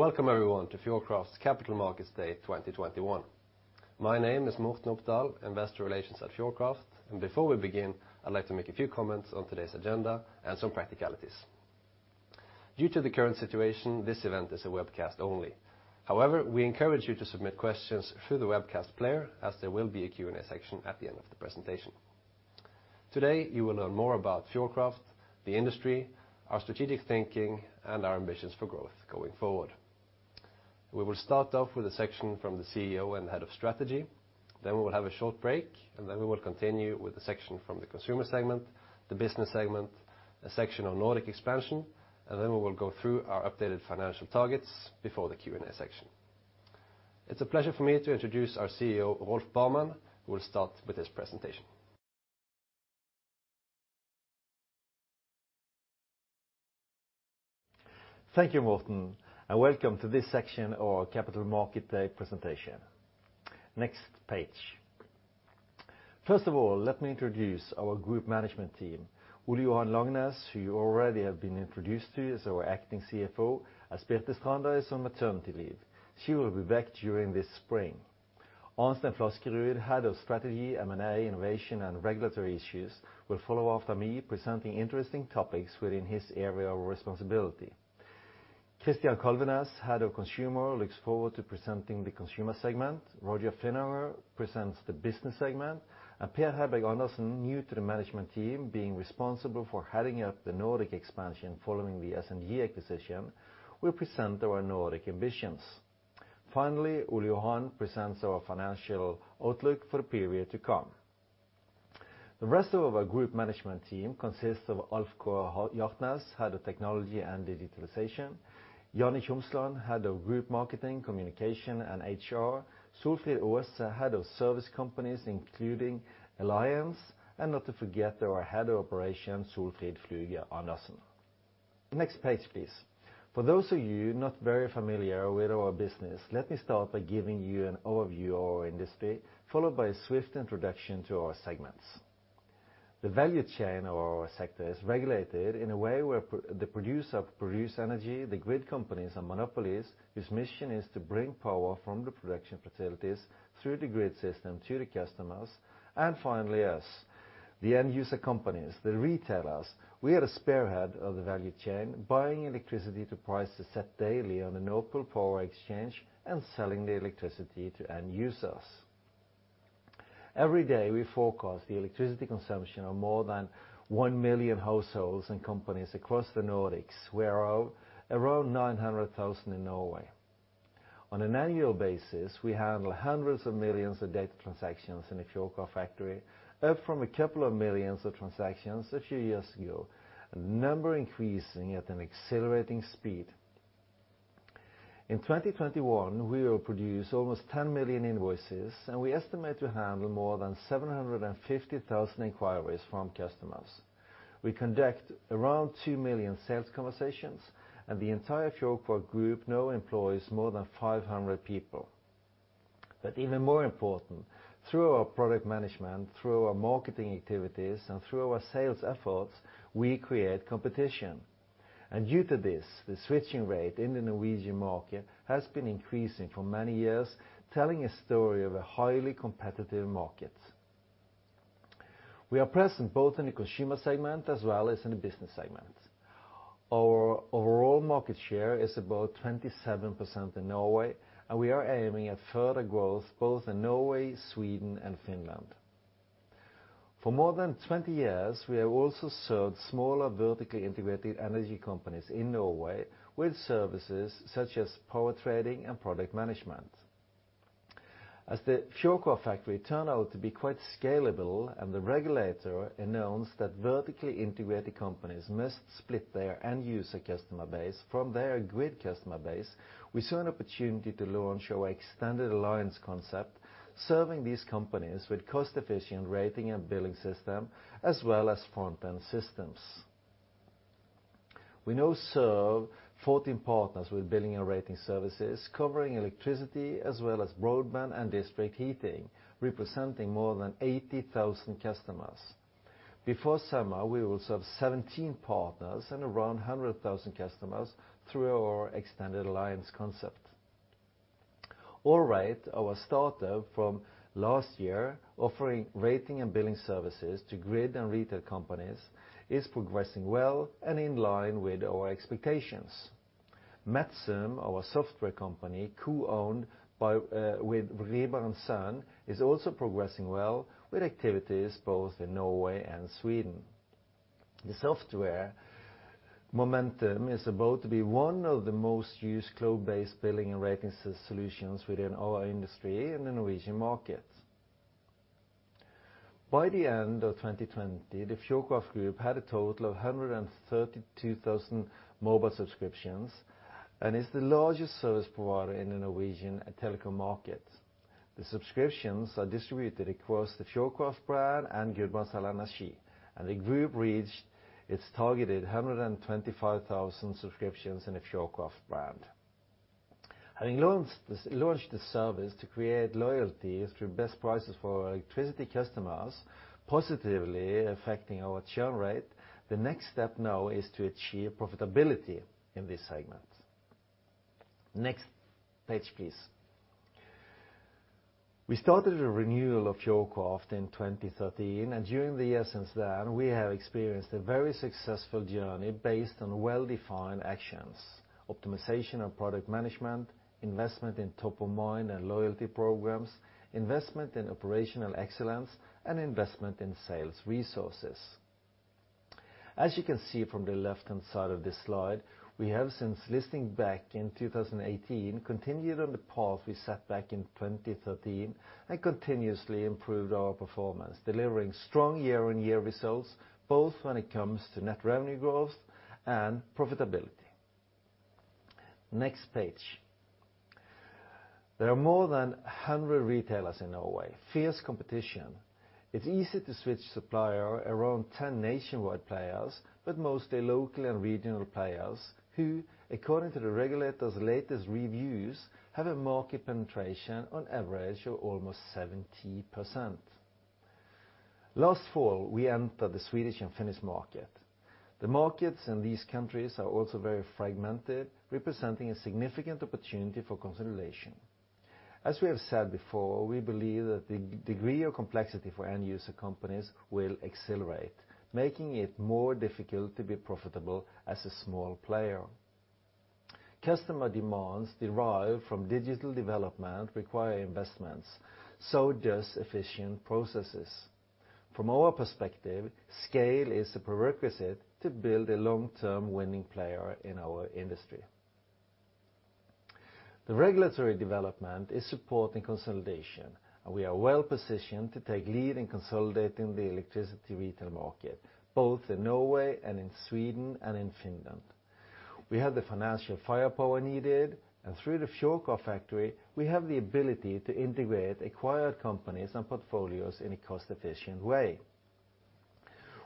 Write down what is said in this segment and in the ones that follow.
Welcome everyone to Fjordkraft's Capital Markets Day 2021. My name is Morten Opdal, Investor Relations at Fjordkraft. Before we begin, I'd like to make a few comments on today's agenda and some practicalities. Due to the current situation, this event is a webcast only. However, we encourage you to submit questions through the webcast player as there will be a Q&A section at the end of the presentation. Today, you will learn more about Fjordkraft, the industry, our strategic thinking, and our ambitions for growth going forward. We will start off with a section from the CEO and Head of Strategy, then we will have a short break, and then we will continue with a section from the Consumer segment, the Business segment, a section on Nordic expansion, and then we will go through our updated financial targets before the Q&A section. It's a pleasure for me to introduce our CEO, Rolf Barmen, who will start with his presentation. Thank you, Morten, and welcome to this section of our Capital Market Day presentation. Next page. First of all, let me introduce our group management team. Ole Johan Langenes, who you already have been introduced to, is our acting CFO, as Birte Strander is on maternity leave. She will be back during this spring. Arnstein Flaskerud, Head of Strategy, M&A, Innovation, and Regulatory Issues, will follow after me presenting interesting topics within his area of responsibility. Christian Kalvenes, Head of Consumer, looks forward to presenting the Consumer segment. Roger Finnanger presents the Business segment, and Per Heiberg-Andersen, new to the management team, being responsible for heading up the Nordic expansion following the SNG acquisition, will present our Nordic ambitions. Finally, Ole Johan presents our financial outlook for the period to come. The rest of our group management team consists of Alf Kåre Hjartnes, Head of Technology and Digitalization. Jeanne Tjomsland, Head of Group Marketing, Communication, and HR. Solfrid Aase, Head of Service Companies, including Alliance, and not to forget our Head of Operations, Solfrid Fluge Andersen. Next page, please. For those of you not very familiar with our business, let me start by giving you an overview of our industry, followed by a swift introduction to our segments. The value chain of our sector is regulated in a way where the producer produce energy, the grid companies are monopolies, whose mission is to bring power from the production facilities through the grid system to the customers, and finally us, the end user companies, the retailers. We are the spearhead of the value chain, buying electricity to prices set daily on the Nord Pool power exchange and selling the electricity to end users. Every day, we forecast the electricity consumption of more than 1 million households and companies across the Nordics. We are around 900,000 in Norway. On an annual basis, we handle hundreds of millions of data transactions in the Fjordkraft Factory, up from a couple of millions of transactions a few years ago. The number increasing at an accelerating speed. In 2021, we will produce almost 10 million invoices, and we estimate to handle more than 750,000 inquiries from customers. We conduct around 2 million sales conversations, and the entire Fjordkraft Group now employs more than 500 people. Even more important, through our product management, through our marketing activities, and through our sales efforts, we create competition. Due to this, the switching rate in the Norwegian market has been increasing for many years, telling a story of a highly competitive market. We are present both in the Consumer segment as well as in the Business segment. Our overall market share is about 27% in Norway, and we are aiming at further growth, both in Norway, Sweden, and Finland. For more than 20 years, we have also served smaller, vertically integrated energy companies in Norway with services such as power trading and product management. As the Fjordkraft Factory turned out to be quite scalable and the regulator announced that vertically integrated companies must split their end-user customer base from their grid customer base, we saw an opportunity to launch our extended alliance concept, serving these companies with cost-efficient rating and billing system, as well as front-end systems. We now serve 14 partners with billing and rating services, covering electricity as well as broadband and district heating, representing more than 80,000 customers. Before summer, we will serve 17 partners and around 100,000 customers through our Extended Alliance concept. AllRate, our startup from last year, offering billing and rating services to grid and retail companies, is progressing well and in line with our expectations. Metzum, our software company co-owned with Rieber & Søn, is also progressing well with activities both in Norway and Sweden. The software Metzum is about to be one of the most used cloud-based billing and rating solutions within our industry in the Norwegian market. By the end of 2020, the Fjordkraft Group had a total of 132,000 mobile subscriptions and is the largest service provider in the Norwegian telecom market. The subscriptions are distributed across the Fjordkraft brand and Gudbrandsdal Energi, and the Group reached its targeted 125,000 subscriptions in the Fjordkraft brand. Having launched this service to create loyalty through best prices for our electricity customers, positively affecting our churn rate, the next step now is to achieve profitability in this segment. Next page, please. We started a renewal of Fjordkraft in 2013, and during the years since then, we have experienced a very successful journey based on well-defined actions, optimization of product management, investment in top-of-mind and loyalty programs, investment in operational excellence, and investment in sales resources. As you can see from the left-hand side of this slide, we have since listing back in 2018, continued on the path we set back in 2013 and continuously improved our performance, delivering strong year-on-year results both when it comes to net revenue growth and profitability. Next page. There are more than 100 retailers in Norway. Fierce competition. It is easy to switch supplier, around 10 nationwide players, but mostly local and regional players, who according to the regulator's latest reviews, have a market penetration on average of almost 70%. Last fall, we entered the Swedish and Finnish market. The markets in these countries are also very fragmented, representing a significant opportunity for consolidation. As we have said before, we believe that the degree of complexity for end user companies will accelerate, making it more difficult to be profitable as a small player. Customer demands derived from digital development require investments, so does efficient processes. From our perspective, scale is a prerequisite to build a long-term winning player in our industry. The regulatory development is supporting consolidation, and we are well-positioned to take lead in consolidating the electricity retail market, both in Norway and in Sweden and in Finland. We have the financial firepower needed. Through the Fjordkraft Factory, we have the ability to integrate acquired companies and portfolios in a cost-efficient way.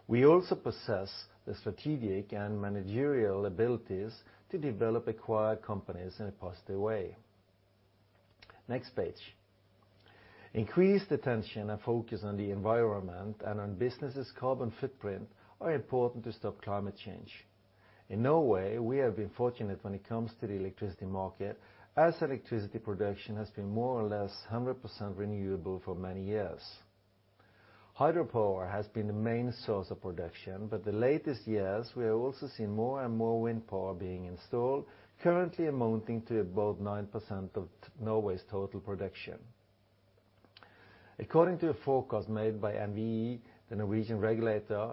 We also possess the strategic and managerial abilities to develop acquired companies in a positive way. Next page. Increased attention and focus on the environment and on business's carbon footprint are important to stop climate change. In Norway, we have been fortunate when it comes to the electricity market as electricity production has been more or less 100% renewable for many years. Hydropower has been the main source of production. The latest years we have also seen more and more wind power being installed, currently amounting to about 9% of Norway's total production. According to a forecast made by NVE, the Norwegian regulator,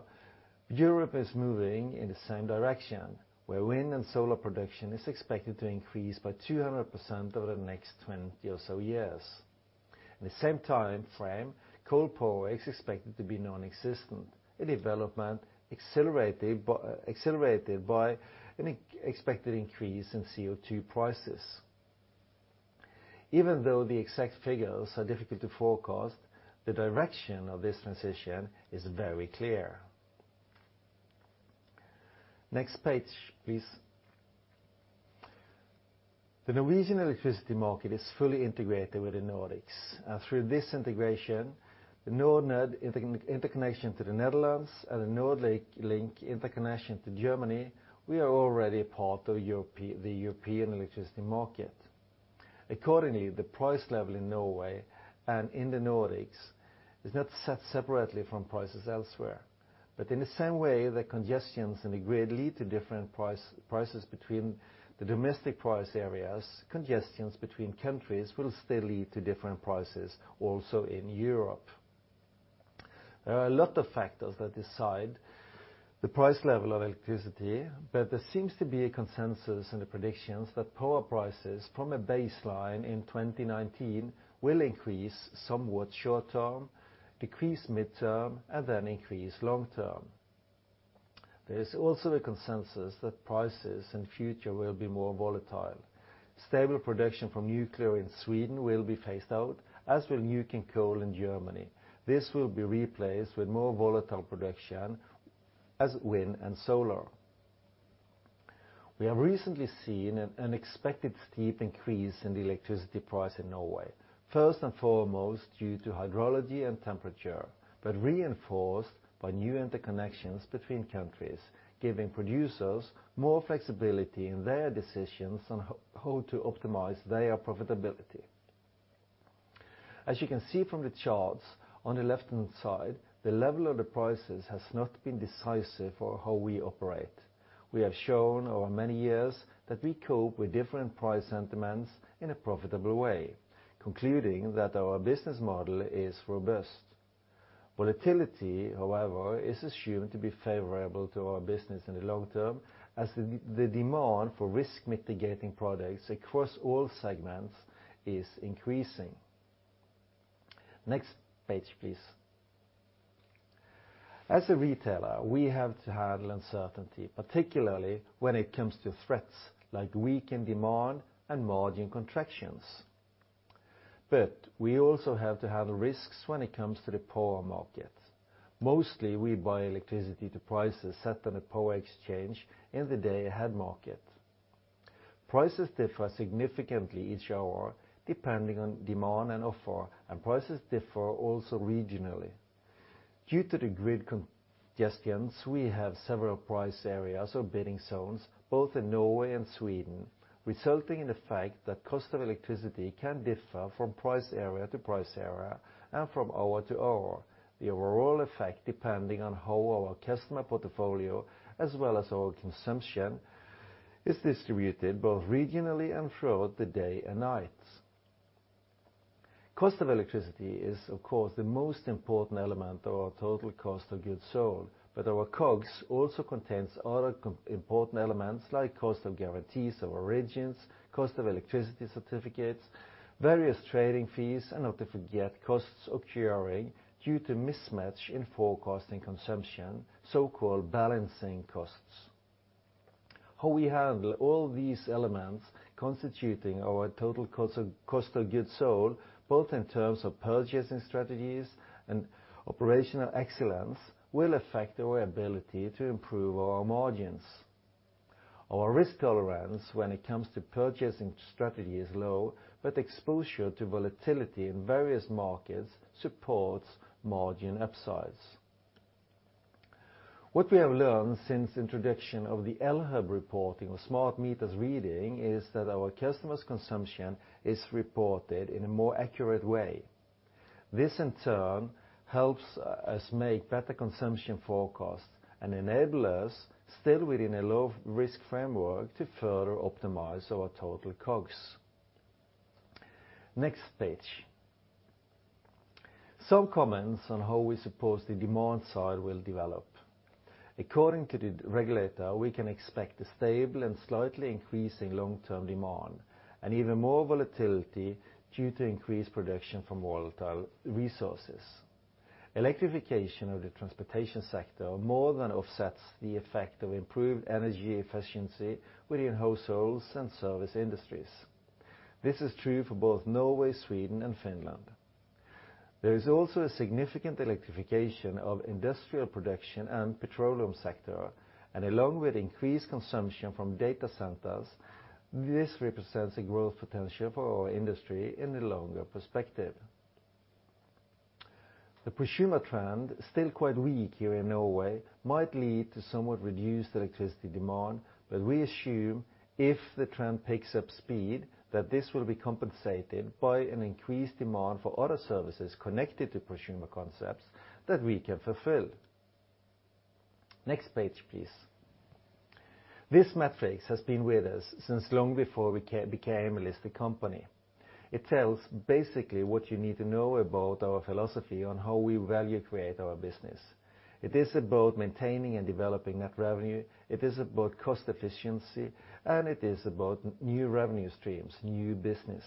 Europe is moving in the same direction, where wind and solar production is expected to increase by 200% over the next 20 or so years. In the same timeframe, coal power is expected to be nonexistent, a development accelerated by an expected increase in CO2 prices. Even though the exact figures are difficult to forecast, the direction of this transition is very clear. Next page, please. The Norwegian electricity market is fully integrated with the Nordics. Through this integration, the NorNed interconnection to the Netherlands and the NordLink interconnection to Germany, we are already a part of the European electricity market. Accordingly, the price level in Norway and in the Nordics is not set separately from prices elsewhere. In the same way the congestions in the grid lead to different prices between the domestic price areas, congestions between countries will still lead to different prices also in Europe. There are a lot of factors that decide the price level of electricity, but there seems to be a consensus in the predictions that power prices from a baseline in 2019 will increase somewhat short-term, decrease mid-term, and then increase long-term. There is also the consensus that prices in the future will be more volatile. Stable production from nuclear in Sweden will be phased out, as will nuke and coal in Germany. This will be replaced with more volatile production as wind and solar. We have recently seen an unexpected steep increase in the electricity price in Norway, first and foremost, due to hydrology and temperature, but reinforced by new interconnections between countries, giving producers more flexibility in their decisions on how to optimize their profitability. As you can see from the charts on the left-hand side, the level of the prices has not been decisive for how we operate. We have shown over many years that we cope with different price sentiments in a profitable way, concluding that our business model is robust. Volatility, however, is assumed to be favorable to our business in the long term as the demand for risk mitigating products across all segments is increasing. Next page, please. As a retailer, we have to handle uncertainty, particularly when it comes to threats like weakened demand and margin contractions. We also have to handle risks when it comes to the power market. Mostly, we buy electricity to prices set on a power exchange in the day-ahead market. Prices differ significantly each hour, depending on demand and offer, and prices differ also regionally. Due to the grid congestions, we have several price areas or bidding zones both in Norway and Sweden, resulting in the fact that cost of electricity can differ from price area to price area and from hour to hour. The overall effect depending on how our customer portfolio as well as our consumption is distributed both regionally and throughout the day and night. Cost of electricity is, of course, the most important element of our total cost of goods sold, but our COGS also contains other important elements like cost of guarantees of origin, cost of electricity certificates, various trading fees, and not to forget, costs occurring due to mismatch in forecasting consumption, so-called balancing costs. How we handle all these elements constituting our total Cost of goods sold, both in terms of purchasing strategies and operational excellence, will affect our ability to improve our margins. Our risk tolerance when it comes to purchasing strategy is low, but exposure to volatility in various markets supports margin upsides. What we have learned since introduction of the Elhub reporting of smart meters reading is that our customers' consumption is reported in a more accurate way. This in turn helps us make better consumption forecasts and enable us, still within a low-risk framework, to further optimize our total COGS. Next page. Some comments on how we suppose the demand side will develop. According to the regulator, we can expect a stable and slightly increasing long-term demand and even more volatility due to increased production from volatile resources. Electrification of the transportation sector more than offsets the effect of improved energy efficiency within households and service industries. This is true for both Norway, Sweden, and Finland. There is also a significant electrification of industrial production and petroleum sector. Along with increased consumption from data centers, this represents a growth potential for our industry in the longer perspective. The prosumer trend, still quite weak here in Norway, might lead to somewhat reduced electricity demand. We assume if the trend picks up speed, that this will be compensated by an increased demand for other services connected to prosumer concepts that we can fulfill. Next page, please. This matrix has been with us since long before we became a listed company. It tells basically what you need to know about our philosophy on how we value-create our business. It is about maintaining and developing net revenue, it is about cost efficiency, and it is about new revenue streams, new business.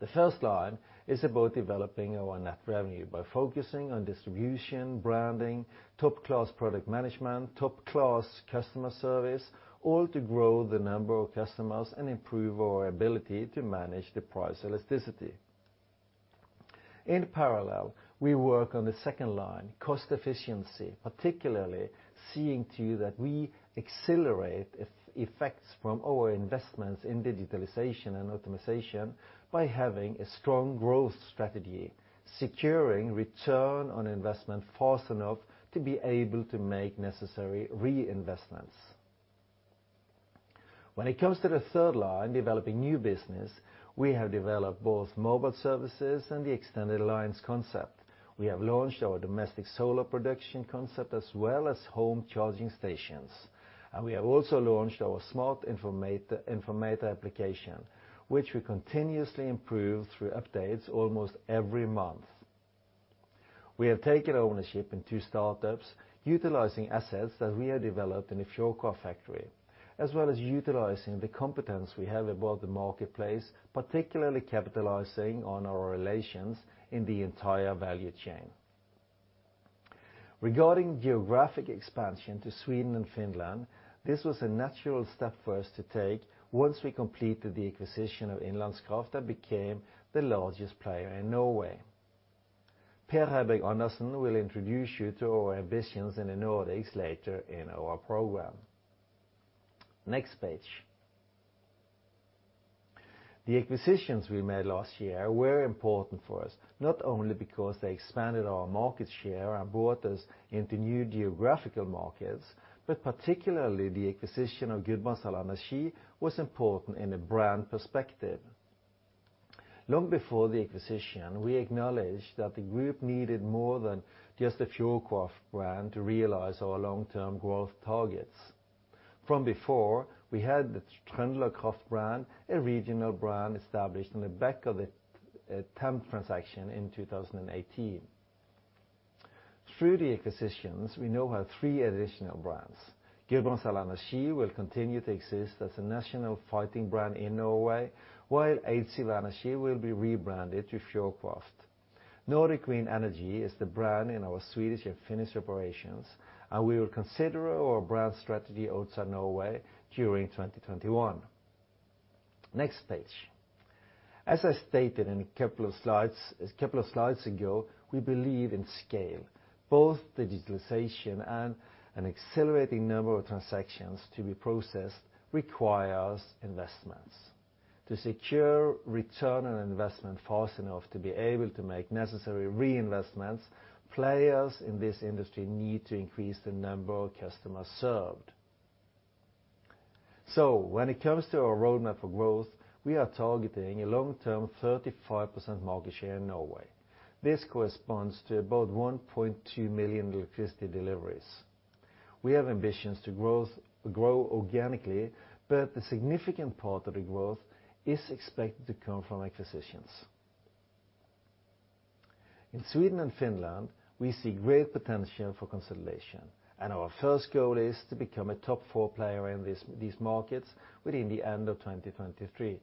The first line is about developing our net revenue by focusing on distribution, branding, top-class product management, top-class customer service, all to grow the number of customers and improve our ability to manage the price elasticity. In parallel, we work on the second line, cost efficiency. Particularly, seeing to that we accelerate effects from our investments in digitalization and optimization by having a strong growth strategy, securing return on investment fast enough to be able to make necessary reinvestments. When it comes to the third line, developing new business, we have developed both mobile services and the extended alliance concept. We have launched our domestic solar production concept as well as home charging stations. We have also launched our Smart informator application, which we continuously improve through updates almost every month. We have taken ownership in two startups utilizing assets that we have developed in the Fjordkraft Factory, as well as utilizing the competence we have about the marketplace, particularly capitalizing on our relations in the entire value chain. Regarding geographic expansion to Sweden and Finland, this was a natural step for us to take once we completed the acquisition of Innlandskraft and became the largest player in Norway. Per Heiberg-Andersen will introduce you to our ambitions in the Nordics later in our program. Next page. The acquisitions we made last year were important for us, not only because they expanded our market share and brought us into new geographical markets, but particularly the acquisition of Gudbrandsdal Energi was important in the brand perspective. Long before the acquisition, we acknowledged that the group needed more than just the Fjordkraft brand to realize our long-term growth targets. From before, we had the TrøndelagKraft brand, a regional brand established on the back of the Tempe transaction in 2018. Through the acquisitions, we now have three additional brands. Gudbrandsdal Energi will continue to exist as a national fighting brand in Norway, while Eidsiva Energi will be rebranded to Fjordkraft. Nordic Green Energy is the brand in our Swedish and Finnish operations. We will consider our brand strategy outside Norway during 2021. Next page. As I stated a couple of slides ago, we believe in scale. Both digitalization and an accelerating number of transactions to be processed requires investments. To secure return on investment fast enough to be able to make necessary reinvestments, players in this industry need to increase the number of customers served. When it comes to our roadmap for growth, we are targeting a long-term 35% market share in Norway. This corresponds to about 1.2 million electricity deliveries. We have ambitions to grow organically, the significant part of the growth is expected to come from acquisitions. In Sweden and Finland, we see great potential for consolidation, and our first goal is to become a top four player in these markets within the end of 2023,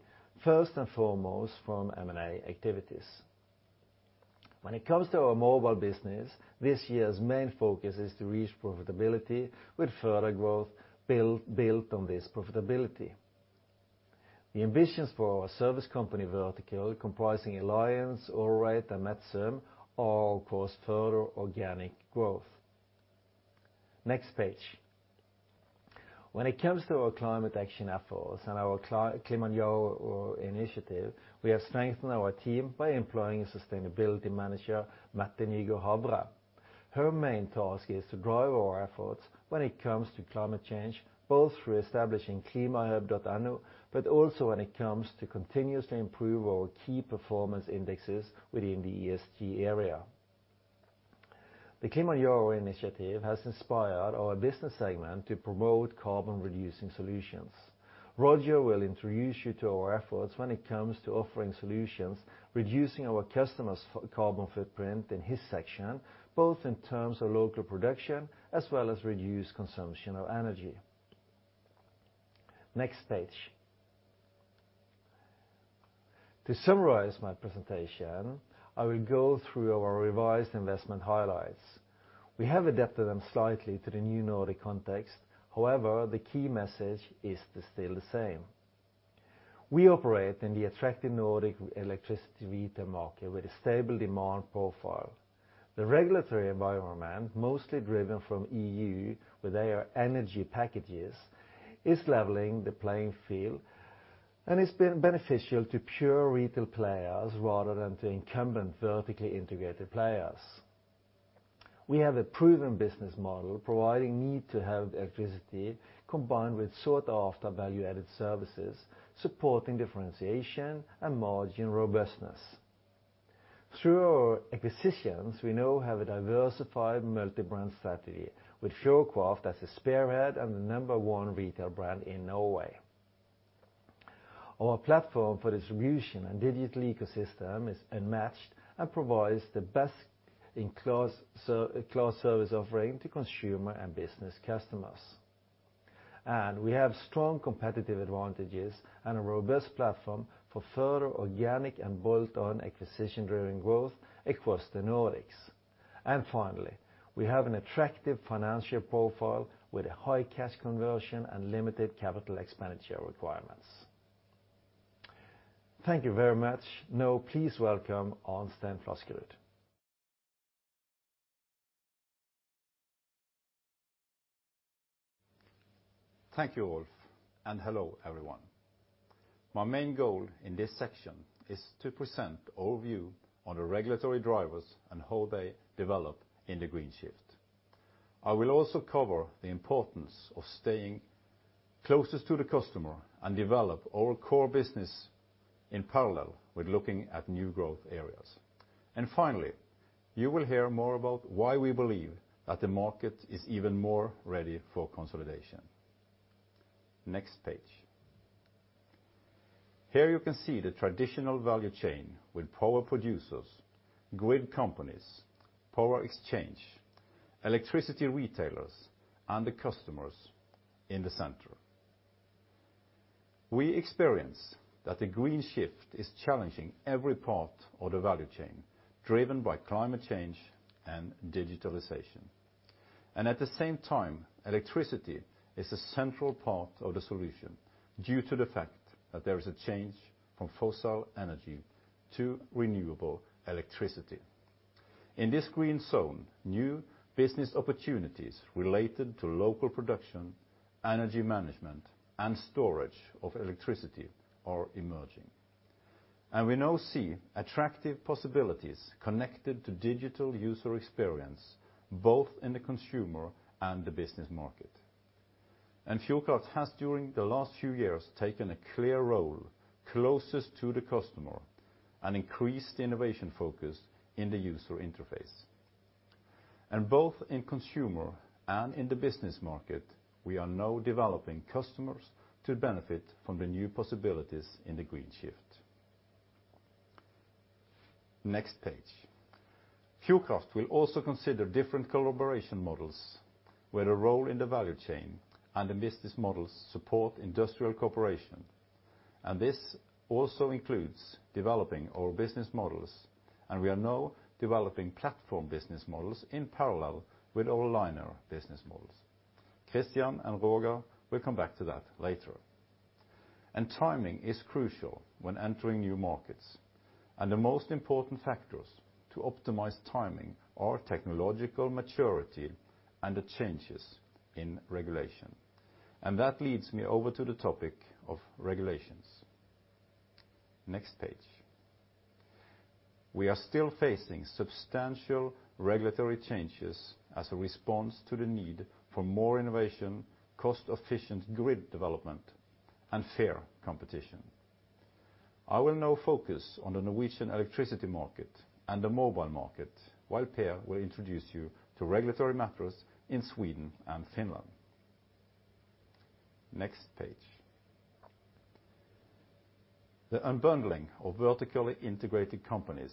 first and foremost from M&A activities. When it comes to our mobile business, this year's main focus is to reach profitability with further growth built on this profitability. The ambitions for our service company vertical, comprising Alliance, AllRate, and Metzum, are, of course, further organic growth. Next page. When it comes to our climate action efforts and our Klimanjaro initiative, we have strengthened our team by employing a sustainability manager, Mette Nygård Havre. Her main task is to drive our efforts when it comes to climate change, both through establishing klimahub.no, but also when it comes to continuously improve our key performance indexes within the ESG area. The Klimanjaro initiative has inspired our business segment to promote carbon-reducing solutions. Roger will introduce you to our efforts when it comes to offering solutions, reducing our customers' carbon footprint in his section, both in terms of local production as well as reduced consumption of energy. Next page. To summarize my presentation, I will go through our revised investment highlights. We have adapted them slightly to the new Nordic context. The key message is still the same. We operate in the attractive Nordic electricity retail market with a stable demand profile. The regulatory environment, mostly driven from EU with their energy packages, is leveling the playing field and it's been beneficial to pure retail players rather than to incumbent vertically integrated players. We have a proven business model providing need to have electricity combined with sought-after value-added services, supporting differentiation and margin robustness. Through our acquisitions, we now have a diversified multi-brand strategy with Fjordkraft as a spearhead and the number one retail brand in Norway. Our platform for distribution and digital ecosystem is unmatched and provides the best-in-class service offering to consumer and business customers. We have strong competitive advantages and a robust platform for further organic and built on acquisition-driven growth across the Nordics. Finally, we have an attractive financial profile with a high cash conversion and limited capital expenditure requirements. Thank you very much. Now, please welcome Arnstein Flaskerud. Thank you, Rolf, and hello, everyone. My main goal in this section is to present the overview on the regulatory drivers and how they develop in the green shift. I will also cover the importance of staying closest to the customer and develop our core business in parallel with looking at new growth areas. Finally, you will hear more about why we believe that the market is even more ready for consolidation. Next page. Here you can see the traditional value chain with power producers, grid companies, power exchange, electricity retailers, and the customers in the center. We experience that the green shift is challenging every part of the value chain, driven by climate change and digitalization. At the same time, electricity is a central part of the solution due to the fact that there is a change from fossil energy to renewable electricity. In this green zone, new business opportunities related to local production, energy management, and storage of electricity are emerging. We now see attractive possibilities connected to digital user experience, both in the consumer and the business market. Fjordkraft has during the last few years taken a clear role closest to the customer and increased innovation focus in the user interface. Both in consumer and in the business market, we are now developing customers to benefit from the new possibilities in the green shift. Next page. Fjordkraft will also consider different collaboration models where the role in the value chain and the business models support industrial cooperation. This also includes developing our business models, and we are now developing platform business models in parallel with our linear business models. Christian and Roger will come back to that later. Timing is crucial when entering new markets, and the most important factors to optimize timing are technological maturity and the changes in regulation. That leads me over to the topic of regulations. Next page. We are still facing substantial regulatory changes as a response to the need for more innovation, cost-efficient grid development, and fair competition. I will now focus on the Norwegian electricity market and the mobile market, while Per will introduce you to regulatory matters in Sweden and Finland. Next page. The unbundling of vertically integrated companies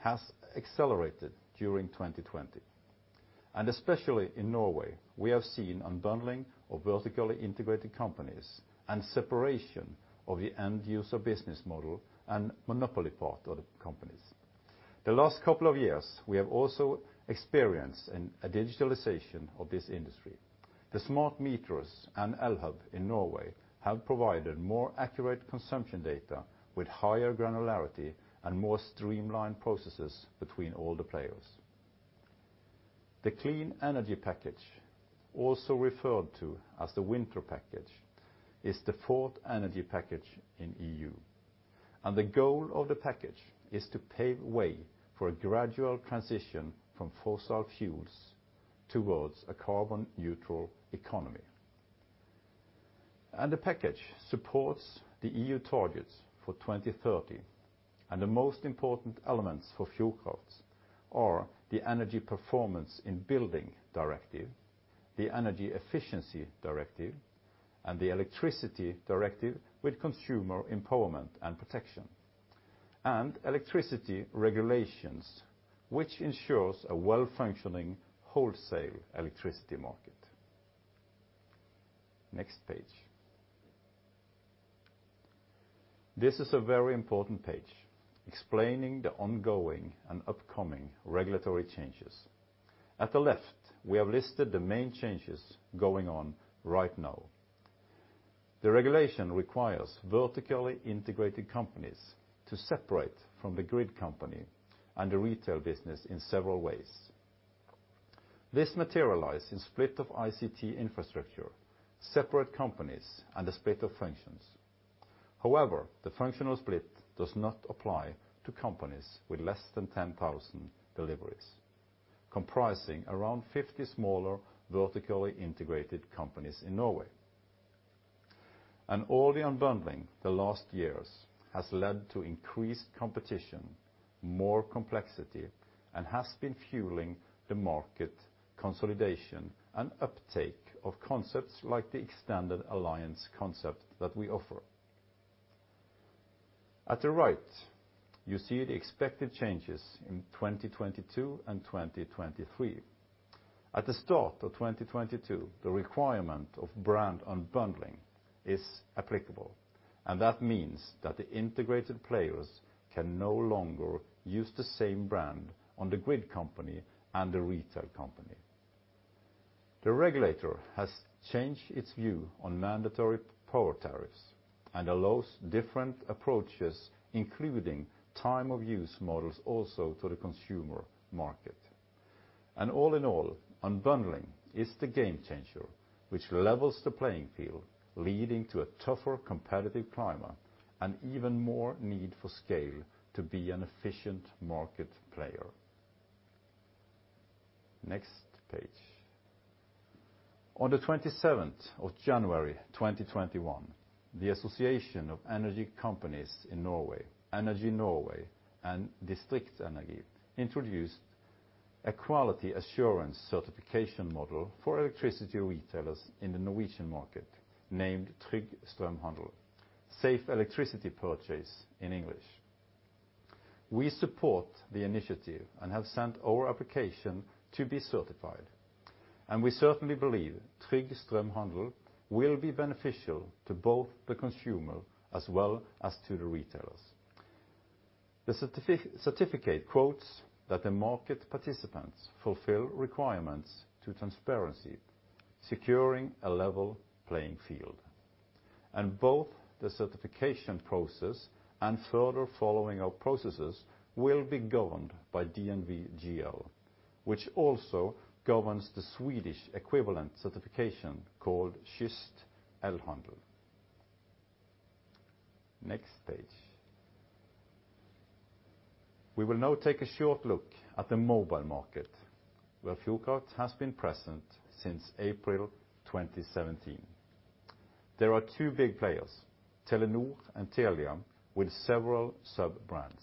has accelerated during 2020, and especially in Norway, we have seen unbundling of vertically integrated companies and separation of the end-user business model and monopoly part of the companies. The last couple of years, we have also experienced a digitalization of this industry. The smart meters and Elhub in Norway have provided more accurate consumption data with higher granularity and more streamlined processes between all the players. The Clean Energy Package, also referred to as the Winter Package, is the fourth energy package in EU, the goal of the package is to pave way for a gradual transition from fossil fuels towards a carbon-neutral economy. The package supports the EU targets for 2030, the most important elements for Fjordkraft are the Energy Performance in Buildings Directive, the Energy Efficiency Directive, and the Electricity Directive with consumer empowerment and protection, and electricity regulations, which ensures a well-functioning wholesale electricity market. Next page. This is a very important page explaining the ongoing and upcoming regulatory changes. At the left, we have listed the main changes going on right now. The regulation requires vertically integrated companies to separate from the grid company and the retail business in several ways. This materializes in split of ICT infrastructure, separate companies, and the split of functions. However, the functional split does not apply to companies with less than 10,000 deliveries, comprising around 50 smaller vertically integrated companies in Norway. All the unbundling the last years has led to increased competition, more complexity, and has been fueling the market consolidation and uptake of concepts like the Extended Alliance concept that we offer. At the right, you see the expected changes in 2022 and 2023. At the start of 2022, the requirement of brand unbundling is applicable, and that means that the integrated players can no longer use the same brand on the grid company and the retail company. The regulator has changed its view on mandatory power tariffs and allows different approaches, including time of use models also to the consumer market. All in all, unbundling is the game changer, which levels the playing field, leading to a tougher competitive climate and even more need for scale to be an efficient market player. Next page. On the 27th of January 2021, the Association of Energy Companies in Norway, Energy Norway and DistriktsEnergi introduced a quality assurance certification model for electricity retailers in the Norwegian market named Trygg Strømhandel, Safe Electricity Purchase in English. We support the initiative and have sent our application to be certified. We certainly believe Trygg Strømhandel will be beneficial to both the consumer as well as to the retailers. The certificate quotes that the market participants fulfill requirements to transparency, securing a level playing field. Both the certification process and further following of processes will be governed by DNV, which also governs the Swedish equivalent certification called Schyst Elhandel. Next page. We will now take a short look at the mobile market, where Fjordkraft has been present since April 2017. There are two big players, Telenor and Telia, with several sub-brands,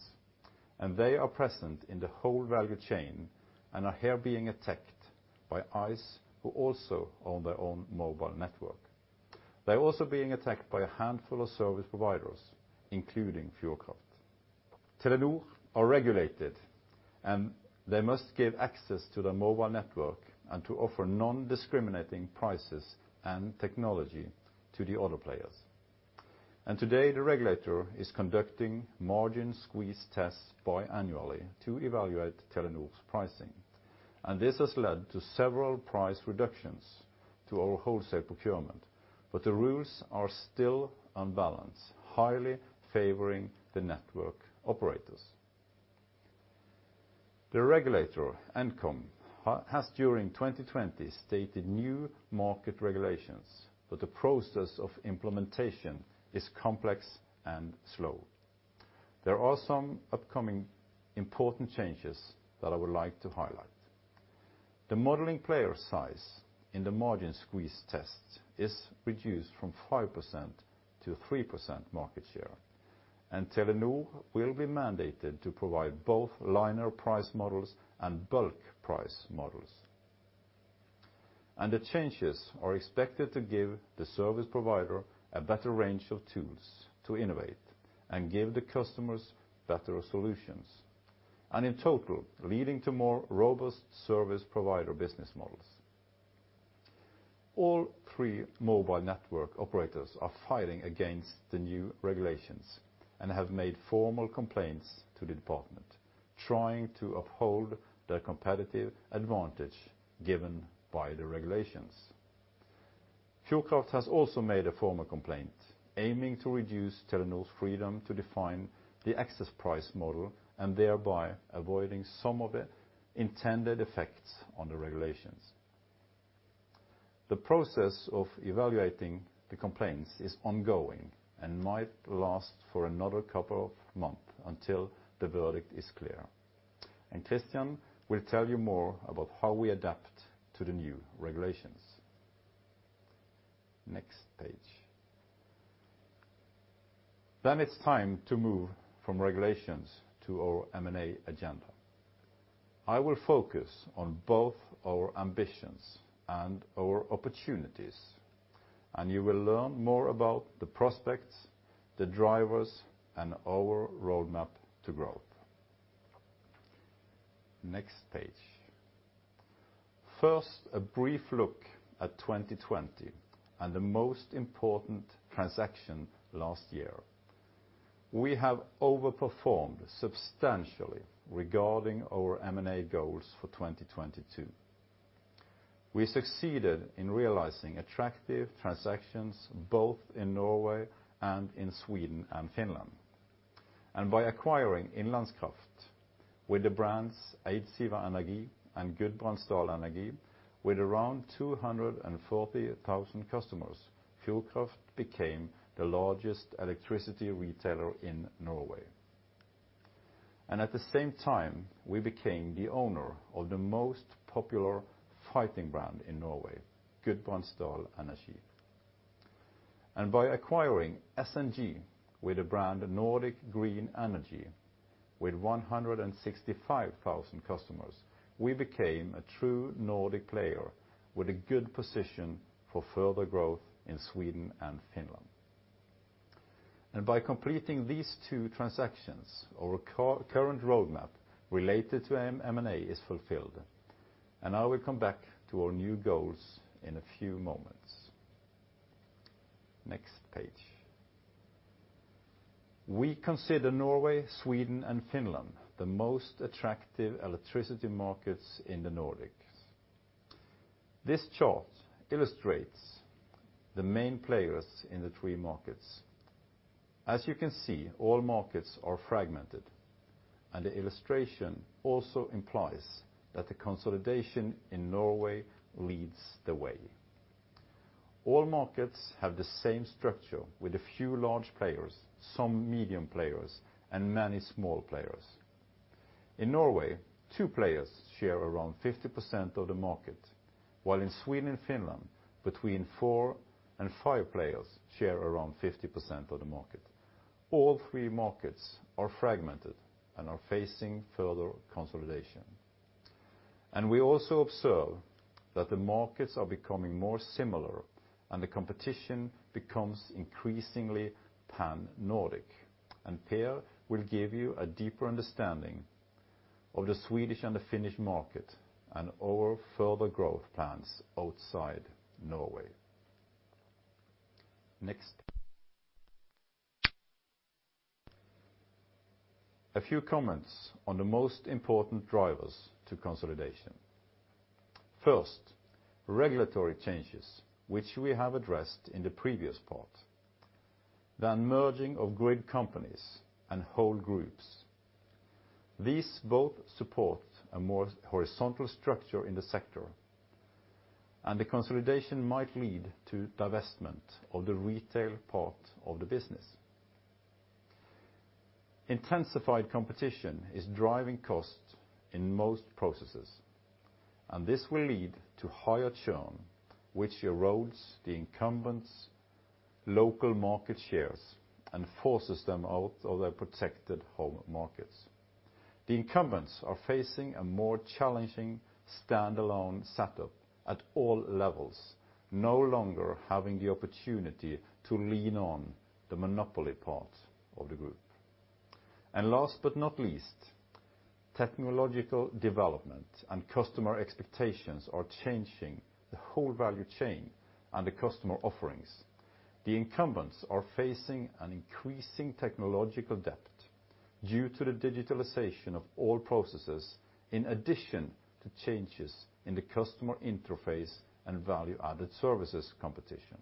and they are present in the whole value chain and are here being attacked by ice, who also own their own mobile network. They are also being attacked by a handful of service providers, including Fjordkraft. Telenor are regulated, and they must give access to their mobile network and to offer non-discriminating prices and technology to the other players. Today, the regulator is conducting margin squeeze tests biannually to evaluate Telenor's pricing. This has led to several price reductions to our wholesale procurement, but the rules are still unbalanced, highly favoring the network operators. The regulator, Nkom, has during 2020 stated new market regulations, but the process of implementation is complex and slow. There are some upcoming important changes that I would like to highlight. The modeling player size in the margin squeeze test is reduced from 5% to 3% market share, and Telenor will be mandated to provide both linear price models and bulk price models. The changes are expected to give the service provider a better range of tools to innovate and give the customers better solutions, and in total, leading to more robust service provider business models. All three mobile network operators are fighting against the new regulations and have made formal complaints to the department, trying to uphold their competitive advantage given by the regulations. Fjordkraft has also made a formal complaint aiming to reduce Telenor's freedom to define the access price model, and thereby avoiding some of the intended effects on the regulations. The process of evaluating the complaints is ongoing and might last for another couple of months until the verdict is clear. Christian will tell you more about how we adapt to the new regulations. Next page. It's time to move from regulations to our M&A agenda. I will focus on both our ambitions and our opportunities, and you will learn more about the prospects, the drivers, and our roadmap to growth. Next page. First, a brief look at 2020 and the most important transaction last year. We have overperformed substantially regarding our M&A goals for 2022. We succeeded in realizing attractive transactions both in Norway and in Sweden and Finland. By acquiring Innlandskraft with the brands Eidsiva Energi and Gudbrandsdal Energi with around 240,000 customers, Fjordkraft became the largest electricity retailer in Norway. At the same time, we became the owner of the most popular fighting brand in Norway, Gudbrandsdal Energi. By acquiring SNG with the brand Nordic Green Energy, with 165,000 customers, we became a true Nordic player with a good position for further growth in Sweden and Finland. By completing these two transactions, our current roadmap related to M&A is fulfilled. I will come back to our new goals in a few moments. Next page. We consider Norway, Sweden, and Finland the most attractive electricity markets in the Nordics. This chart illustrates the main players in the three markets. As you can see, all markets are fragmented, and the illustration also implies that the consolidation in Norway leads the way. All markets have the same structure with a few large players, some medium players, and many small players. In Norway, two players share around 50% of the market, while in Sweden and Finland, between four and five players share around 50% of the market. All three markets are fragmented and are facing further consolidation. We also observe that the markets are becoming more similar and the competition becomes increasingly pan-Nordic. Per will give you a deeper understanding of the Swedish and the Finnish market and our further growth plans outside Norway. Next. A few comments on the most important drivers to consolidation. First, regulatory changes, which we have addressed in the previous part. Merging of grid companies and whole groups. These both support a more horizontal structure in the sector, and the consolidation might lead to divestment of the retail part of the business. Intensified competition is driving costs in most processes, and this will lead to higher churn, which erodes the incumbents' local market shares and forces them out of their protected home markets. The incumbents are facing a more challenging standalone setup at all levels, no longer having the opportunity to lean on the monopoly part of the group. Last but not least, technological development and customer expectations are changing the whole value chain and the customer offerings. The incumbents are facing an increasing technological debt due to the digitalization of all processes, in addition to changes in the customer interface and value-added services competition.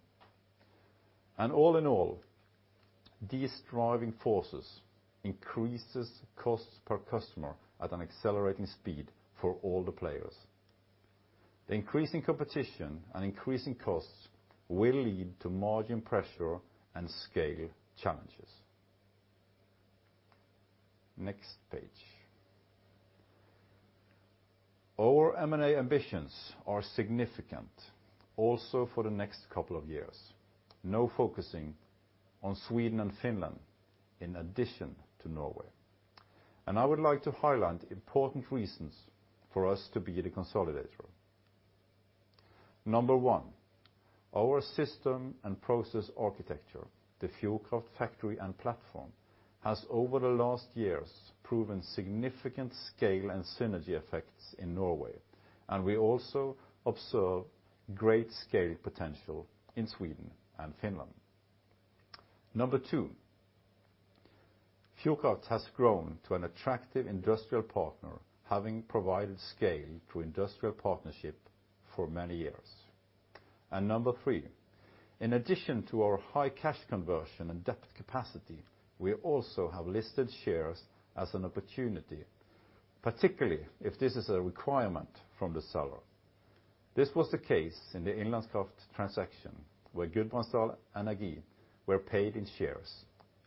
All in all, these driving forces increase costs per customer at an accelerating speed for all the players. The increasing competition and increasing costs will lead to margin pressure and scale challenges. Next page. Our M&A ambitions are significant also for the next couple of years. Now focusing on Sweden and Finland in addition to Norway. I would like to highlight important reasons for us to be the consolidator. Number one, our system and process architecture, the Fjordkraft Factory and platform has, over the last years, proven significant scale and synergy effects in Norway. We also observe great scale potential in Sweden and Finland. Number two, Fjordkraft has grown to an attractive industrial partner, having provided scale to industrial partnership for many years. Number three, in addition to our high cash conversion and debt capacity, we also have listed shares as an opportunity, particularly if this is a requirement from the seller. This was the case in the Innlandskraft transaction where Gudbrandsdal and Eidsiva were paid in shares,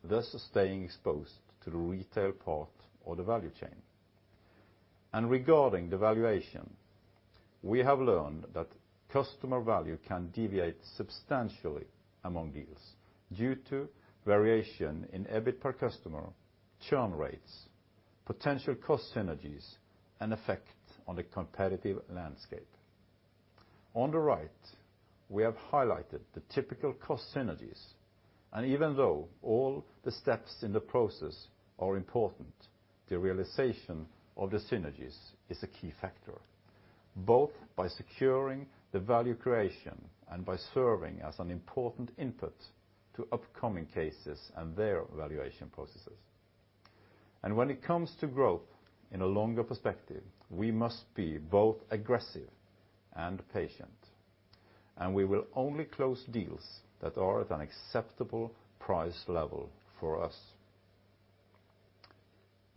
thus staying exposed to the retail part of the value chain. Regarding the valuation, we have learned that customer value can deviate substantially among deals due to variation in EBIT per customer, churn rates, potential cost synergies, and effect on the competitive landscape. Even though all the steps in the process are important, the realization of the synergies is a key factor, both by securing the value creation and by serving as an important input to upcoming cases and their valuation processes. When it comes to growth in a longer perspective, we must be both aggressive and patient. We will only close deals that are at an acceptable price level for us.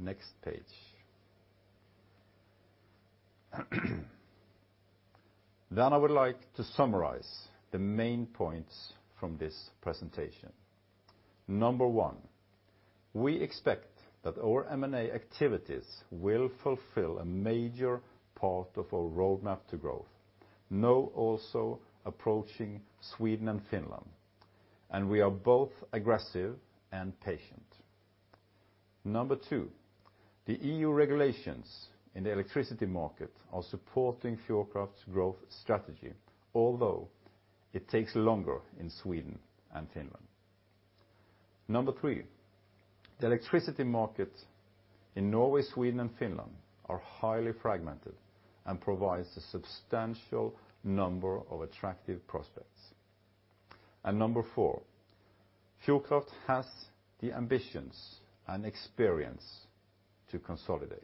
Next page. I would like to summarize the main points from this presentation. Number one, we expect that our M&A activities will fulfill a major part of our roadmap to growth, now also approaching Sweden and Finland. We are both aggressive and patient. Number two, the EU regulations in the electricity market are supporting Fjordkraft's growth strategy, although it takes longer in Sweden and Finland. Number three, the electricity market in Norway, Sweden, and Finland are highly fragmented and provides a substantial number of attractive prospects. Number four, Fjordkraft has the ambitions and experience to consolidate.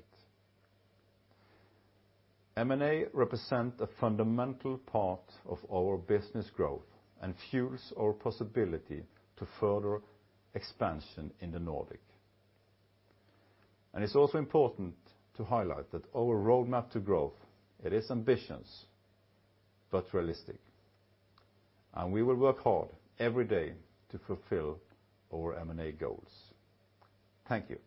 M&A represent a fundamental part of our business growth and fuels our possibility to further expansion in the Nordic. It's also important to highlight that our roadmap to growth, it is ambitious but realistic, and we will work hard every day to fulfill our M&A goals. Thank you.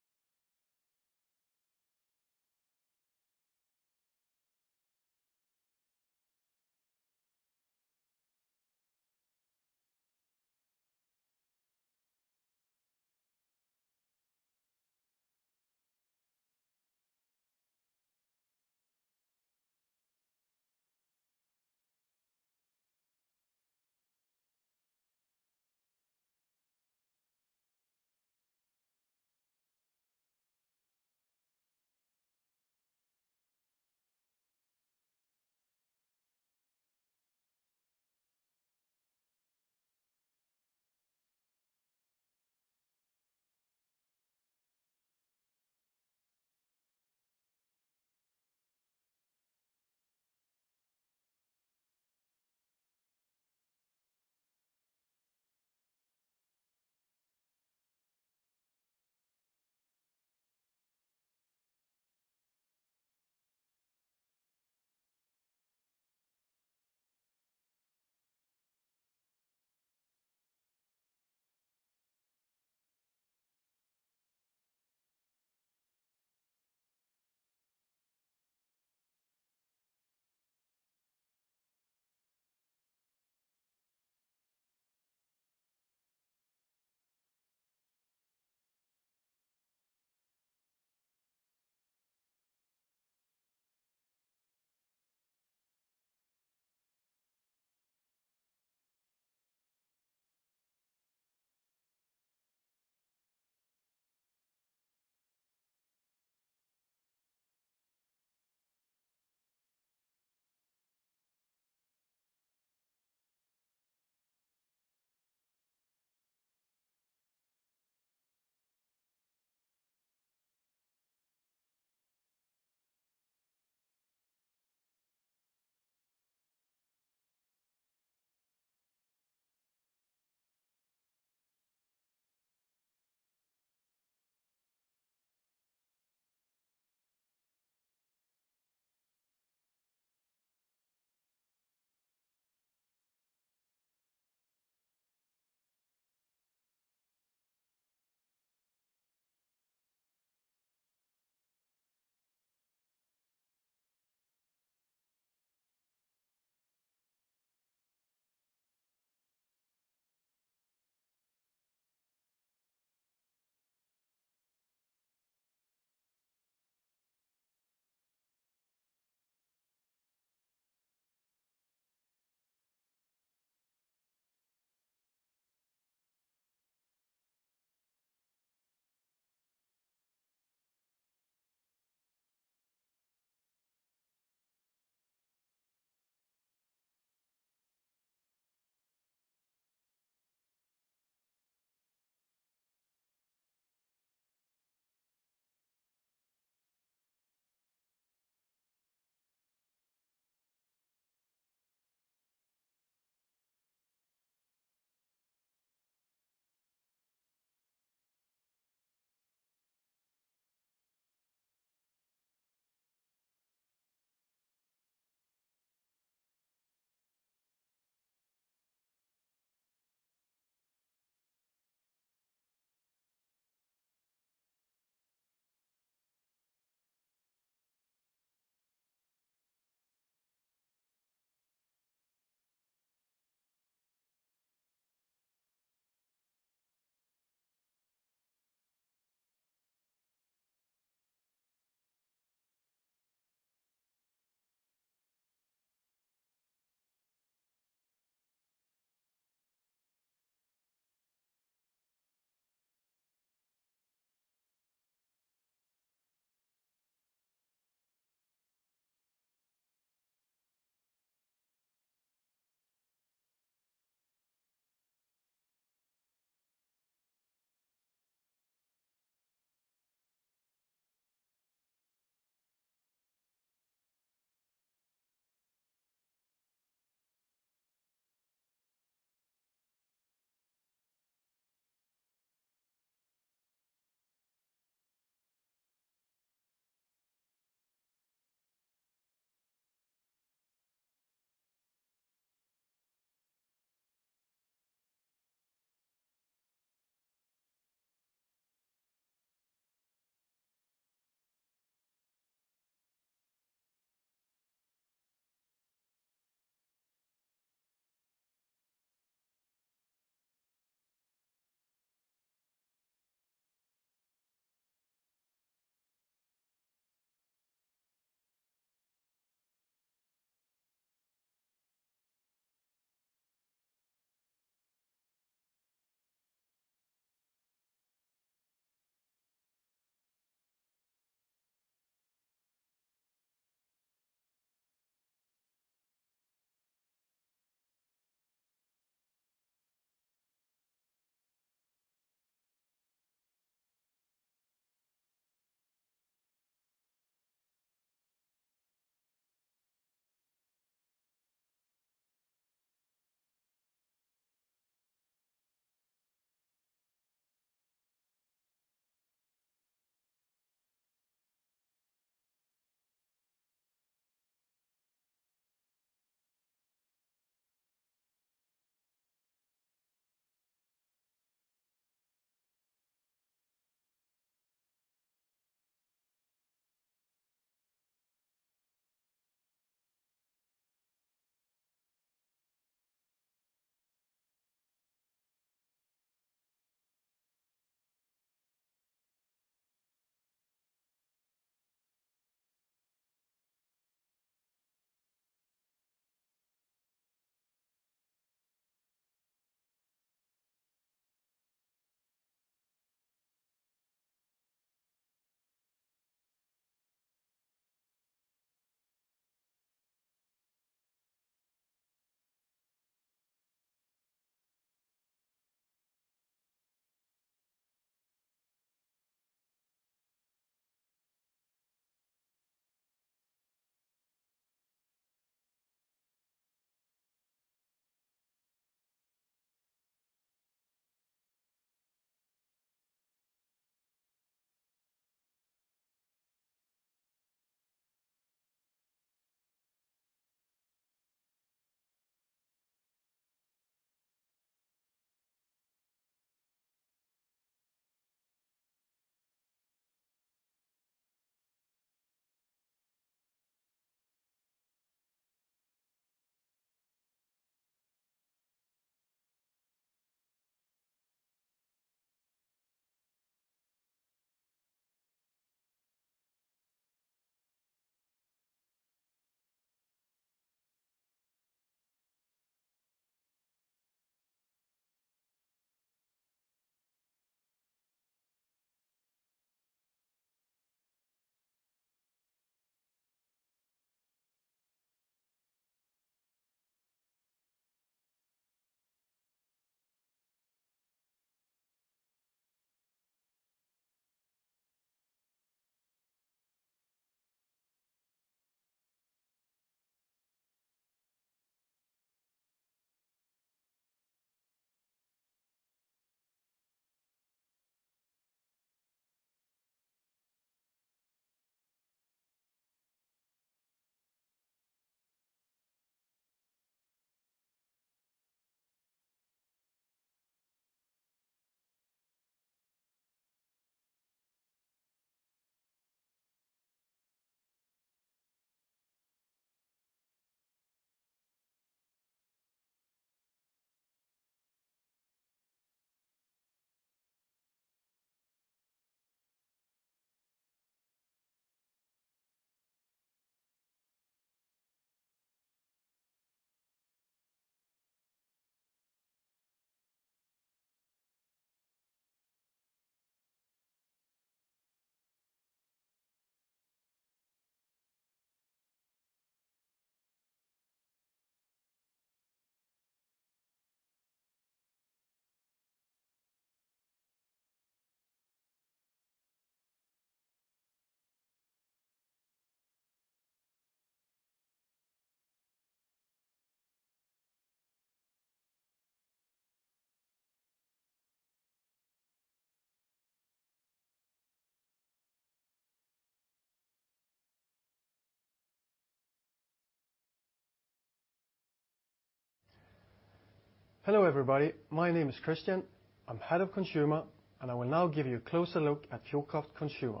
Hello everybody. My name is Christian. I'm Head of Consumer, I will now give you a closer look at Fjordkraft Consumer.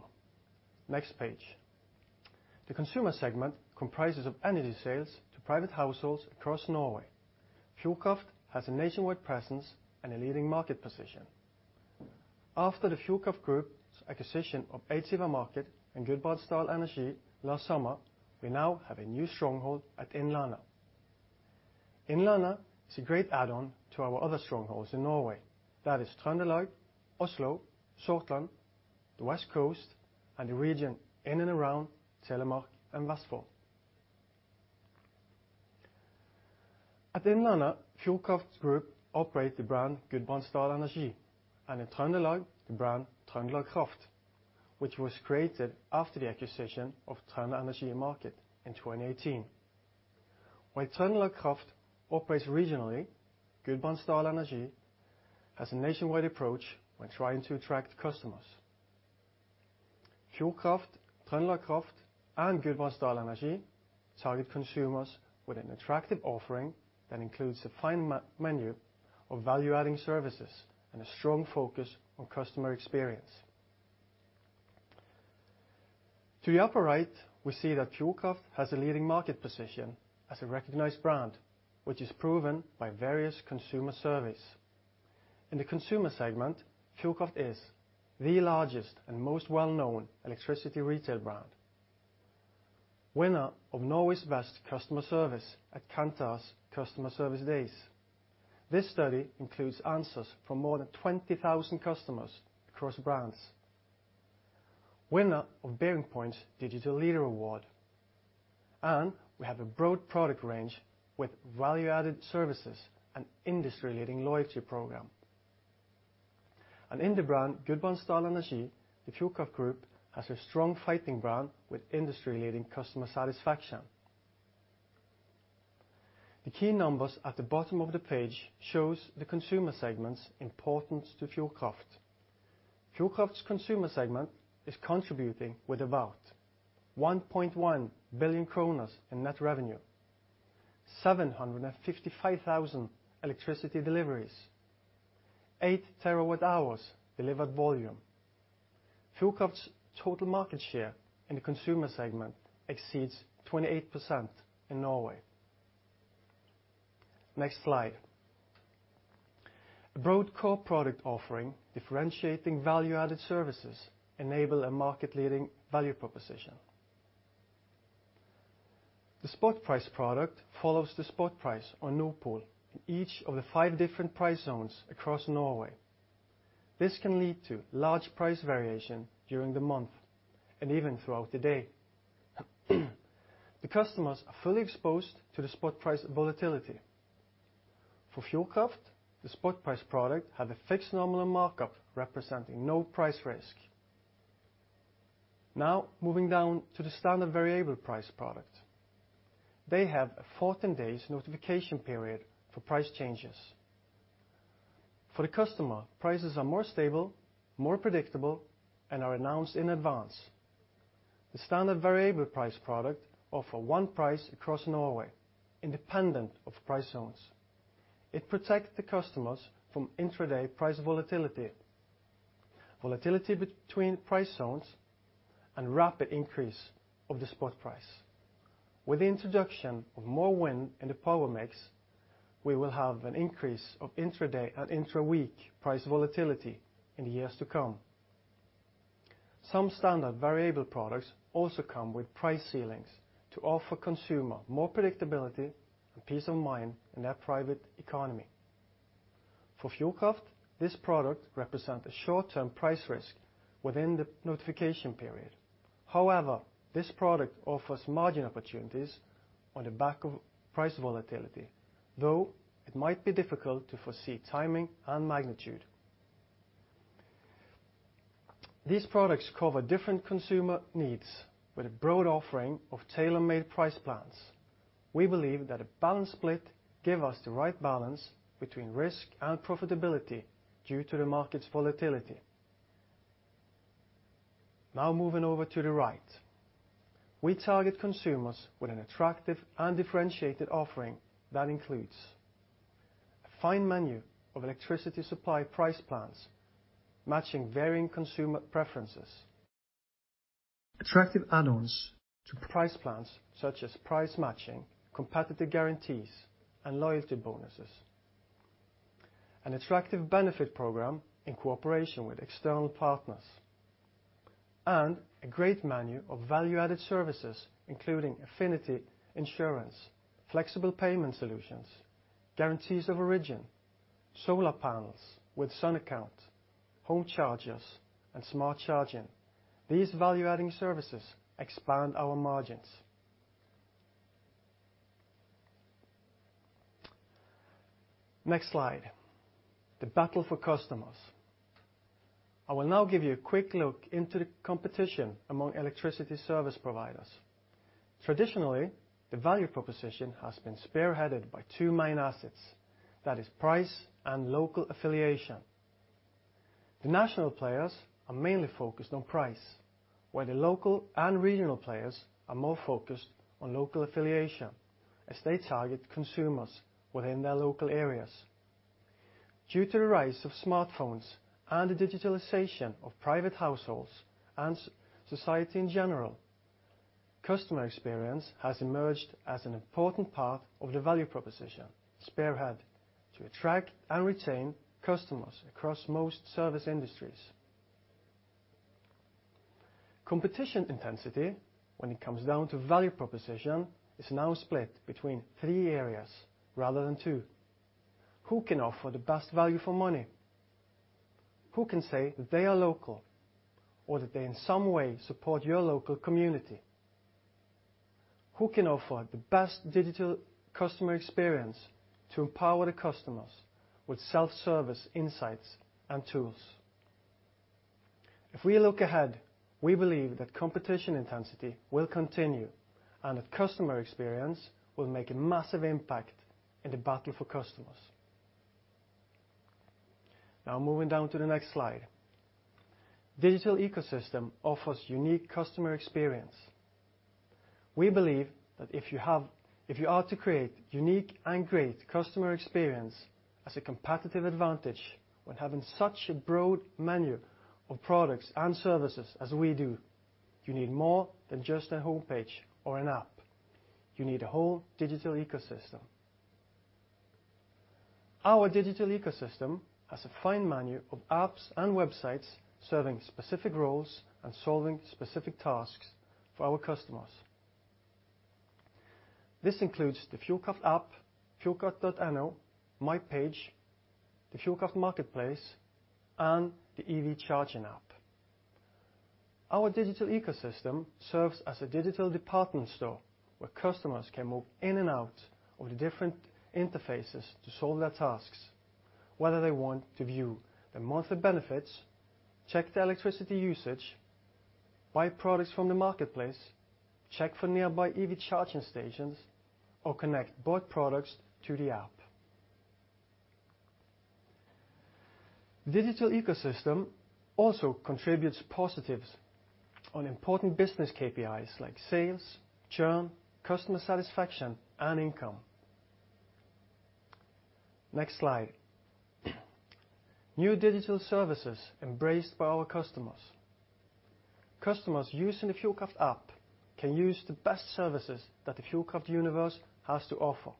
Next page. The consumer segment comprises of energy sales to private households across Norway. Fjordkraft has a nationwide presence and a leading market position. After the Fjordkraft Group's acquisition of Eidsiva Marked and Gudbrandsdal Energi last summer, we now have a new stronghold at Innlandet. Innlandet is a great add-on to our other strongholds in Norway, that is Trøndelag, Oslo, Sortland, the West Coast, and the region in and around Telemark and Vestfold. At Innlandet, Elmera Group operate the brand Gudbrandsdal Energi, in Trøndelag, the brand TrøndelagKraft, which was created after the acquisition of TrønderEnergi Marked in 2018. While TrøndelagKraft operates regionally, Gudbrandsdal Energi has a nationwide approach when trying to attract customers. Fjordkraft, TrøndelagKraft and Gudbrandsdal Energi target consumers with an attractive offering that includes a fine menu of value-adding services and a strong focus on customer experience. To the upper right, we see that Fjordkraft has a leading market position as a recognized brand, which is proven by various consumer surveys. In the consumer segment, Fjordkraft is the largest and most well-known electricity retail brand. Winner of Norway's Best Customer Service at Kantar's Customer Service Days. This study includes answers from more than 20,000 customers across brands. Winner of BearingPoint's Digital Leader Award. We have a broad product range with value-added services and industry-leading loyalty program. In the brand Gudbrandsdal Energi, the Fjordkraft Group has a strong fighting brand with industry-leading customer satisfaction. The key numbers at the bottom of the page shows the Consumer segment's importance to Fjordkraft. Fjordkraft's Consumer segment is contributing with about 1.1 billion kroner in net revenue, 755,000 electricity deliveries, 8 TWh delivered volume. Fjordkraft's total market share in the Consumer segment exceeds 28% in Norway. Next slide. A broad core product offering differentiating value-added services enable a market-leading value proposition. The spot price product follows the spot price on Nord Pool in each of the five different price zones across Norway. This can lead to large price variation during the month and even throughout the day. The customers are fully exposed to the spot price volatility. For Fjordkraft, the spot price product have a fixed nominal markup representing no price risk. Now, moving down to the standard variable price product. They have a 14 days notification period for price changes. For the customer, prices are more stable, more predictable, and are announced in advance. The standard variable price product offer one price across Norway, independent of price zones. It protects the customers from intra-day price volatility between price zones, and rapid increase of the spot price. With the introduction of more wind in the power mix, we will have an increase of intra-day and intra-week price volatility in the years to come. Some standard variable products also come with price ceilings to offer consumer more predictability and peace of mind in their private economy. For Fjordkraft, this product represent a short-term price risk within the notification period. However, this product offers margin opportunities on the back of price volatility, though it might be difficult to foresee timing and magnitude. These products cover different consumer needs with a broad offering of tailor-made price plans. We believe that a balanced split give us the right balance between risk and profitability due to the market's volatility. Now moving over to the right. We target consumers with an attractive and differentiated offering that includes a fine menu of electricity supply price plans matching varying consumer preferences. Attractive add-ons to price plans such as price matching, competitive guarantees, and loyalty bonuses. An attractive benefit program in cooperation with external partners. A great menu of value-added services, including affinity insurance, flexible payment solutions, guarantees of origin, solar panels with sun account, home chargers, and smart charging. These value-adding services expand our margins. Next slide. The battle for customers. I will now give you a quick look into the competition among electricity service providers. Traditionally, the value proposition has been spearheaded by two main assets. That is price and local affiliation. The national players are mainly focused on price, while the local and regional players are more focused on local affiliation, as they target consumers within their local areas. Due to the rise of smartphones and the digitalization of private households and society in general, customer experience has emerged as an important part of the value proposition spearhead to attract and retain customers across most service industries. Competition intensity when it comes down to value proposition is now split between three areas rather than two. Who can offer the best value for money? Who can say that they are local or that they in some way support your local community? Who can offer the best digital customer experience to empower the customers with self-service insights and tools? If we look ahead, we believe that competition intensity will continue and that customer experience will make a massive impact in the battle for customers. Now moving down to the next slide. Digital ecosystem offers unique customer experience. We believe that if you are to create unique and great customer experience as a competitive advantage when having such a broad menu of products and services as we do, you need more than just a homepage or an app. You need a whole digital ecosystem. Our digital ecosystem has a fine menu of apps and websites serving specific roles and solving specific tasks for our customers. This includes the Fjordkraft-app, fjordkraft.no, My Page, the Fjordkraft Marketplace, and the EV charging app. Our digital ecosystem serves as a digital department store where customers can move in and out of the different interfaces to solve their tasks, whether they want to view their monthly benefits, check their electricity usage, buy products from the marketplace, check for nearby EV charging stations, or connect bought products to the app. Digital ecosystem also contributes positives on important business KPIs like sales, churn, customer satisfaction, and income. Next slide. New digital services embraced by our customers. Customers using the Fjordkraft app can use the best services that the Fjordkraft universe has to offer.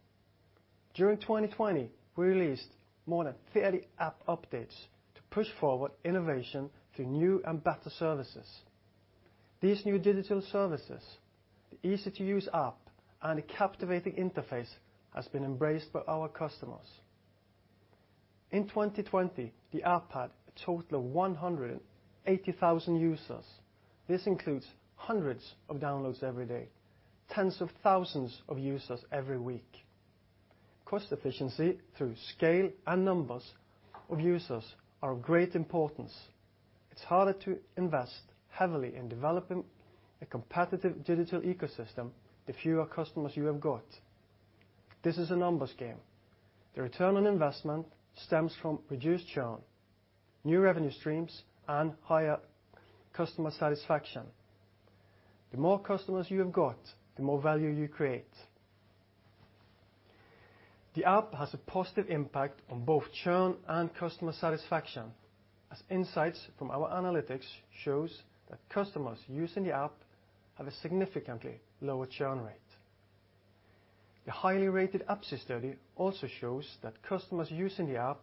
During 2020, we released more than 30 app updates to push forward innovation through new and better services. These new digital services, the easy-to-use app, and a captivating interface has been embraced by our customers. In 2020, the app had a total of 180,000 users. This includes hundreds of downloads every day, tens of thousands of users every week. Cost efficiency through scale and numbers of users are of great importance. It's harder to invest heavily in developing a competitive digital ecosystem the fewer customers you have got. This is a numbers game. The return on investment stems from reduced churn, new revenue streams, and higher customer satisfaction. The more customers you have got, the more value you create. The app has a positive impact on both churn and customer satisfaction, as insights from our analytics shows that customers using the app have a significantly lower churn rate. A highly rated app study also shows that customers using the app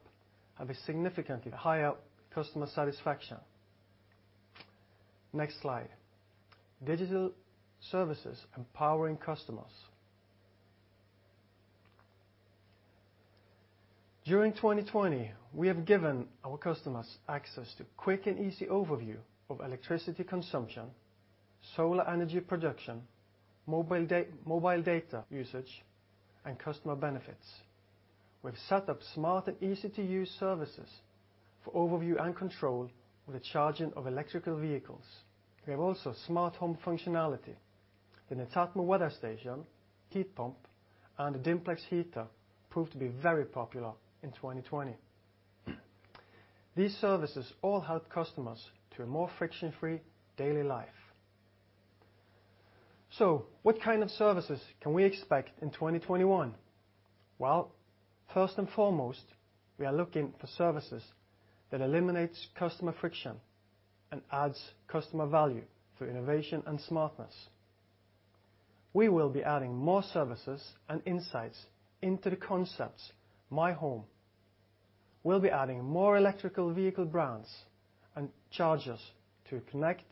have a significantly higher customer satisfaction. Next slide. Digital services empowering customers. During 2020, we have given our customers access to quick and easy overview of electricity consumption, solar energy production, mobile data usage, and customer benefits. We've set up smart and easy-to-use services for overview and control of the charging of electrical vehicles. We have also smart home functionality. The Netatmo weather station, heat pump, and the Dimplex heater proved to be very popular in 2020. These services all help customers to a more friction-free daily life. What kind of services can we expect in 2021? First and foremost, we are looking for services that eliminates customer friction and adds customer value through innovation and smartness. We will be adding more services and insights into the concepts My Home. We'll be adding more electrical vehicle brands and chargers to connect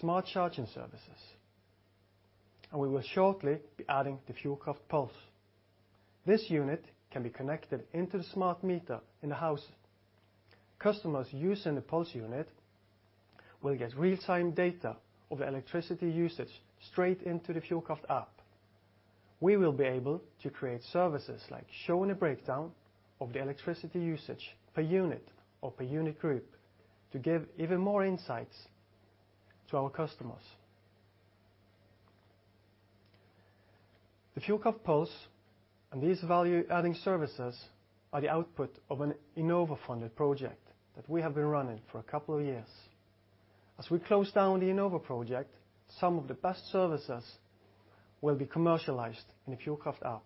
smart charging services, and we will shortly be adding the Fjordkraft Pulse. This unit can be connected into the smart meter in the house. Customers using the Pulse unit will get real-time data of electricity usage straight into the Fjordkraft app. We will be able to create services like showing a breakdown of the electricity usage per unit or per unit group to give even more insights to our customers. The Fjordkraft Pulse and these value-adding services are the output of an Enova-funded project that we have been running for a couple of years. As we close down the Enova project, some of the best services will be commercialized in the Fjordkraft app.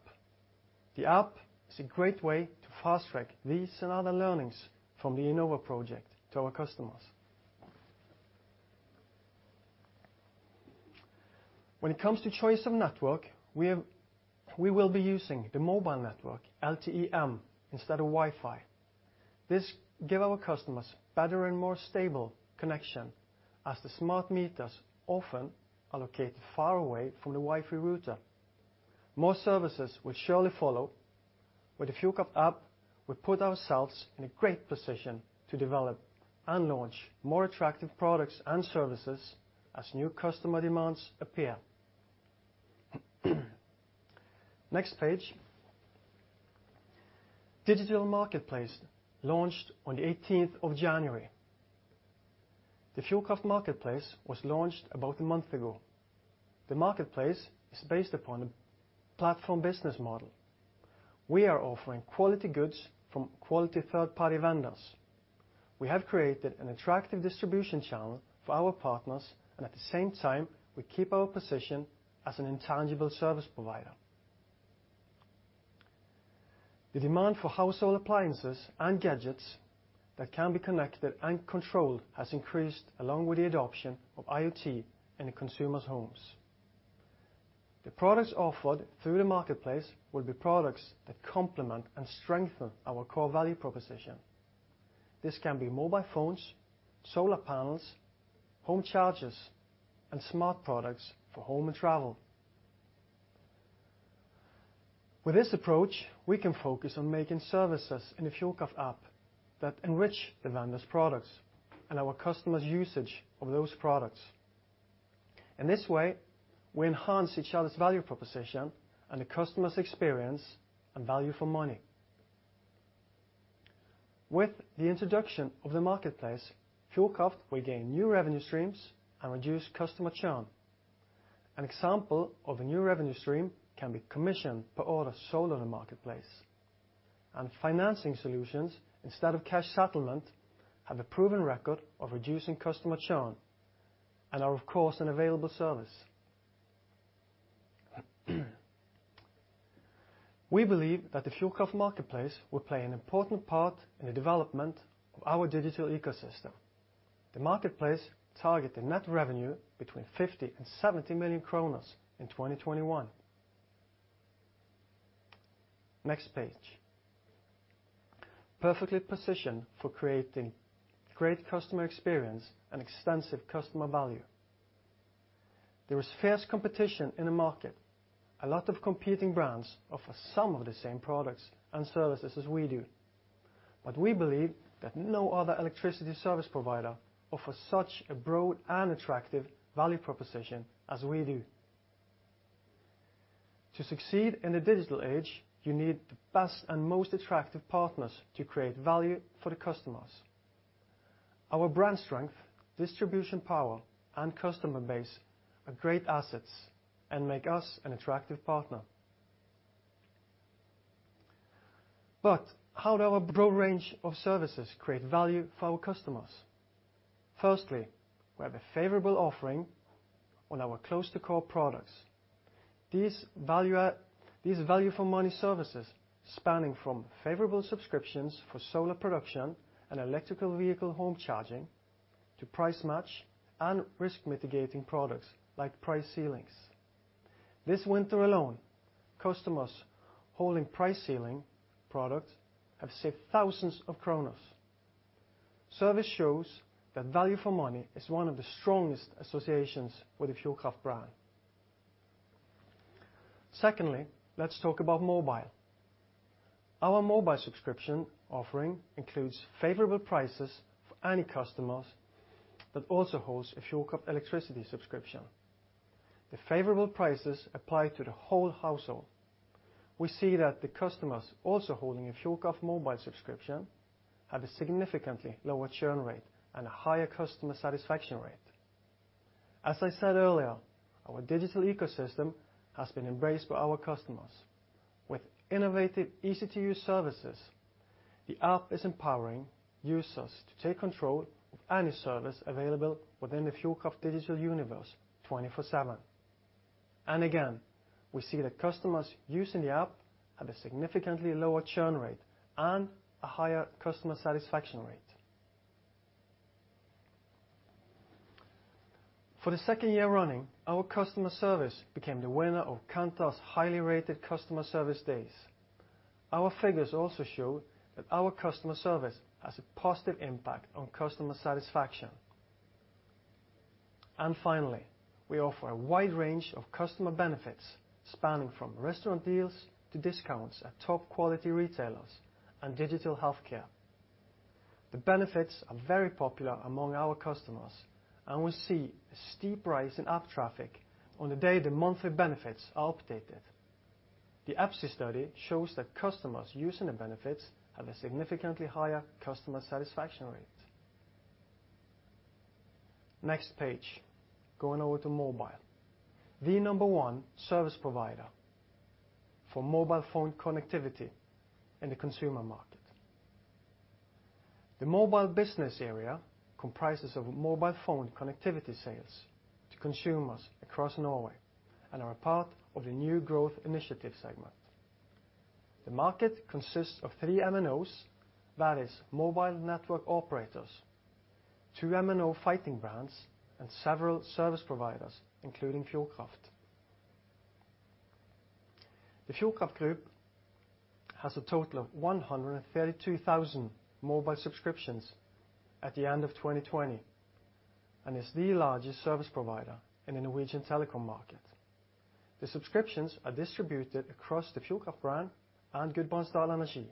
The app is a great way to fast-track these and other learnings from the Enova project to our customers. When it comes to choice of network, we will be using the mobile network LTE-M instead of Wi-Fi. This give our customers better and more stable connection as the smart meters often are located far away from the Wi-Fi router. More services will surely follow. With the Fjordkraft app, we put ourselves in a great position to develop and launch more attractive products and services as new customer demands appear. Next page. Fjordkraft Marketplace launched on the 18th of January. The Fjordkraft Marketplace was launched about a month ago. The Marketplace is based upon a platform business model. We are offering quality goods from quality third-party vendors. We have created an attractive distribution channel for our partners, and at the same time, we keep our position as an intangible service provider. The demand for household appliances and gadgets that can be connected and controlled has increased along with the adoption of IoT in the consumer's homes. The products offered through the Marketplace will be products that complement and strengthen our core value proposition. This can be mobile phones, solar panels, home chargers, and smart products for home and travel. With this approach, we can focus on making services in the Fjordkraft app that enrich the vendor's products and our customers' usage of those products. In this way, we enhance each other's value proposition and the customer's experience and value for money. With the introduction of the Fjordkraft Marketplace, Fjordkraft will gain new revenue streams and reduce customer churn. An example of a new revenue stream can be commission per order sold on the Marketplace. Financing solutions instead of cash settlement have a proven record of reducing customer churn and are, of course, an available service. We believe that the Fjordkraft Marketplace will play an important part in the development of our digital ecosystem. The Marketplace target a net revenue between 50 million and 70 million in 2021. Next page. Perfectly positioned for creating great customer experience and extensive customer value. There is fierce competition in the market. A lot of competing brands offer some of the same products and services as we do. We believe that no other electricity service provider offers such a broad and attractive value proposition as we do. To succeed in the digital age, you need the best and most attractive partners to create value for the customers. Our brand strength, distribution power, and customer base are great assets and make us an attractive partner. How do our broad range of services create value for our customers? Firstly, we have a favorable offering on our close-to-core products. These value-for-money services spanning from favorable subscriptions for solar production and electrical vehicle home charging to price match and risk mitigating products like price ceilings. This winter alone, customers holding price ceiling products have saved thousands of krones. Service shows that value for money is one of the strongest associations with the Fjordkraft brand. Secondly, let's talk about mobile. Our mobile subscription offering includes favorable prices for any customers that also holds a Fjordkraft electricity subscription. The favorable prices apply to the whole household. We see that the customers also holding a Fjordkraft mobile subscription have a significantly lower churn rate and a higher customer satisfaction rate. As I said earlier, our digital ecosystem has been embraced by our customers. With innovative, easy-to-use services, the app is empowering users to take control of any service available within the Fjordkraft digital universe 24/7. Again, we see that customers using the app have a significantly lower churn rate and a higher customer satisfaction rate. For the second year running, our customer service became the winner of Kantar's highly rated customer service days. Our figures also show that our customer service has a positive impact on customer satisfaction. Finally, we offer a wide range of customer benefits, spanning from restaurant deals to discounts at top quality retailers and digital healthcare. The benefits are very popular among our customers, and we see a steep rise in app traffic on the day the monthly benefits are updated. The EPSI study shows that customers using the benefits have a significantly higher customer satisfaction rate. Next page. Going over to mobile. The number one service provider for mobile phone connectivity in the consumer market. The mobile business area comprises of mobile phone connectivity sales to consumers across Norway and are a part of the New Growth Initiative Segment. The market consists of three MNOs, that is mobile network operators, two MNO fighting brands, and several service providers, including Fjordkraft. The Fjordkraft Group has a total of 132,000 mobile subscriptions at the end of 2020, and is the largest service provider in the Norwegian telecom market. The subscriptions are distributed across the Fjordkraft brand and Gudbrandsdal Energi,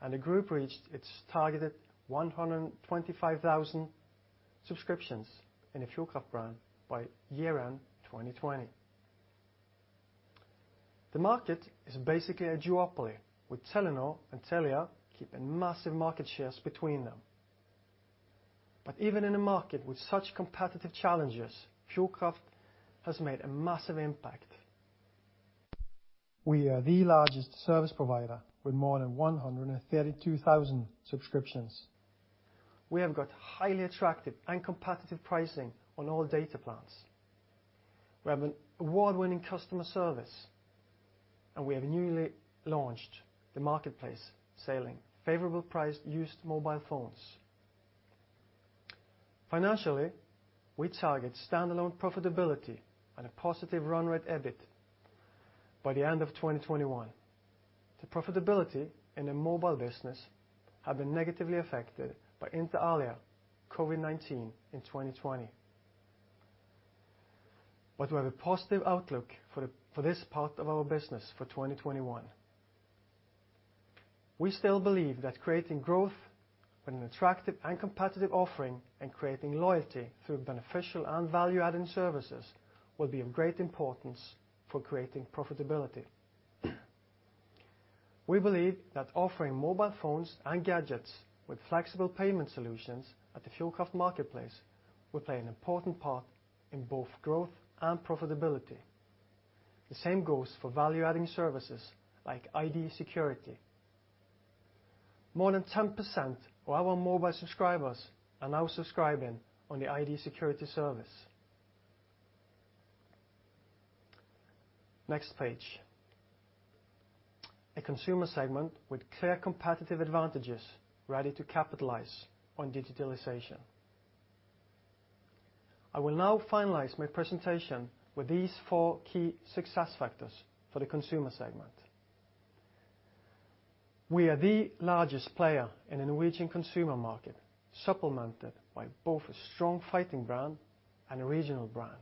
and the Group reached its targeted 125,000 subscriptions in the Fjordkraft brand by year-end 2020. The market is basically a duopoly, with Telenor and Telia keeping massive market shares between them. Even in a market with such competitive challenges, Fjordkraft has made a massive impact. We are the largest service provider, with more than 132,000 subscriptions. We have got highly attractive and competitive pricing on all data plans. We have an award-winning customer service, and we have newly launched the marketplace, selling favorably priced used mobile phones. Financially, we target standalone profitability and a positive run rate EBIT by the end of 2021. The profitability in the mobile business has been negatively affected by, inter alia, COVID-19 in 2020. We have a positive outlook for this part of our business for 2021. We still believe that creating growth with an attractive and competitive offering, and creating loyalty through beneficial and value-adding services, will be of great importance for creating profitability. We believe that offering mobile phones and gadgets with flexible payment solutions at the Fjordkraft Marketplace will play an important part in both growth and profitability. The same goes for value-adding services like ID-security. More than 10% of our mobile subscribers are now subscribing on the ID-security service. Next page. A consumer segment with clear competitive advantages, ready to capitalize on digitalization. I will now finalize my presentation with these four key success factors for the consumer segment. We are the largest player in the Norwegian consumer market, supplemented by both a strong fighting brand and a regional brand.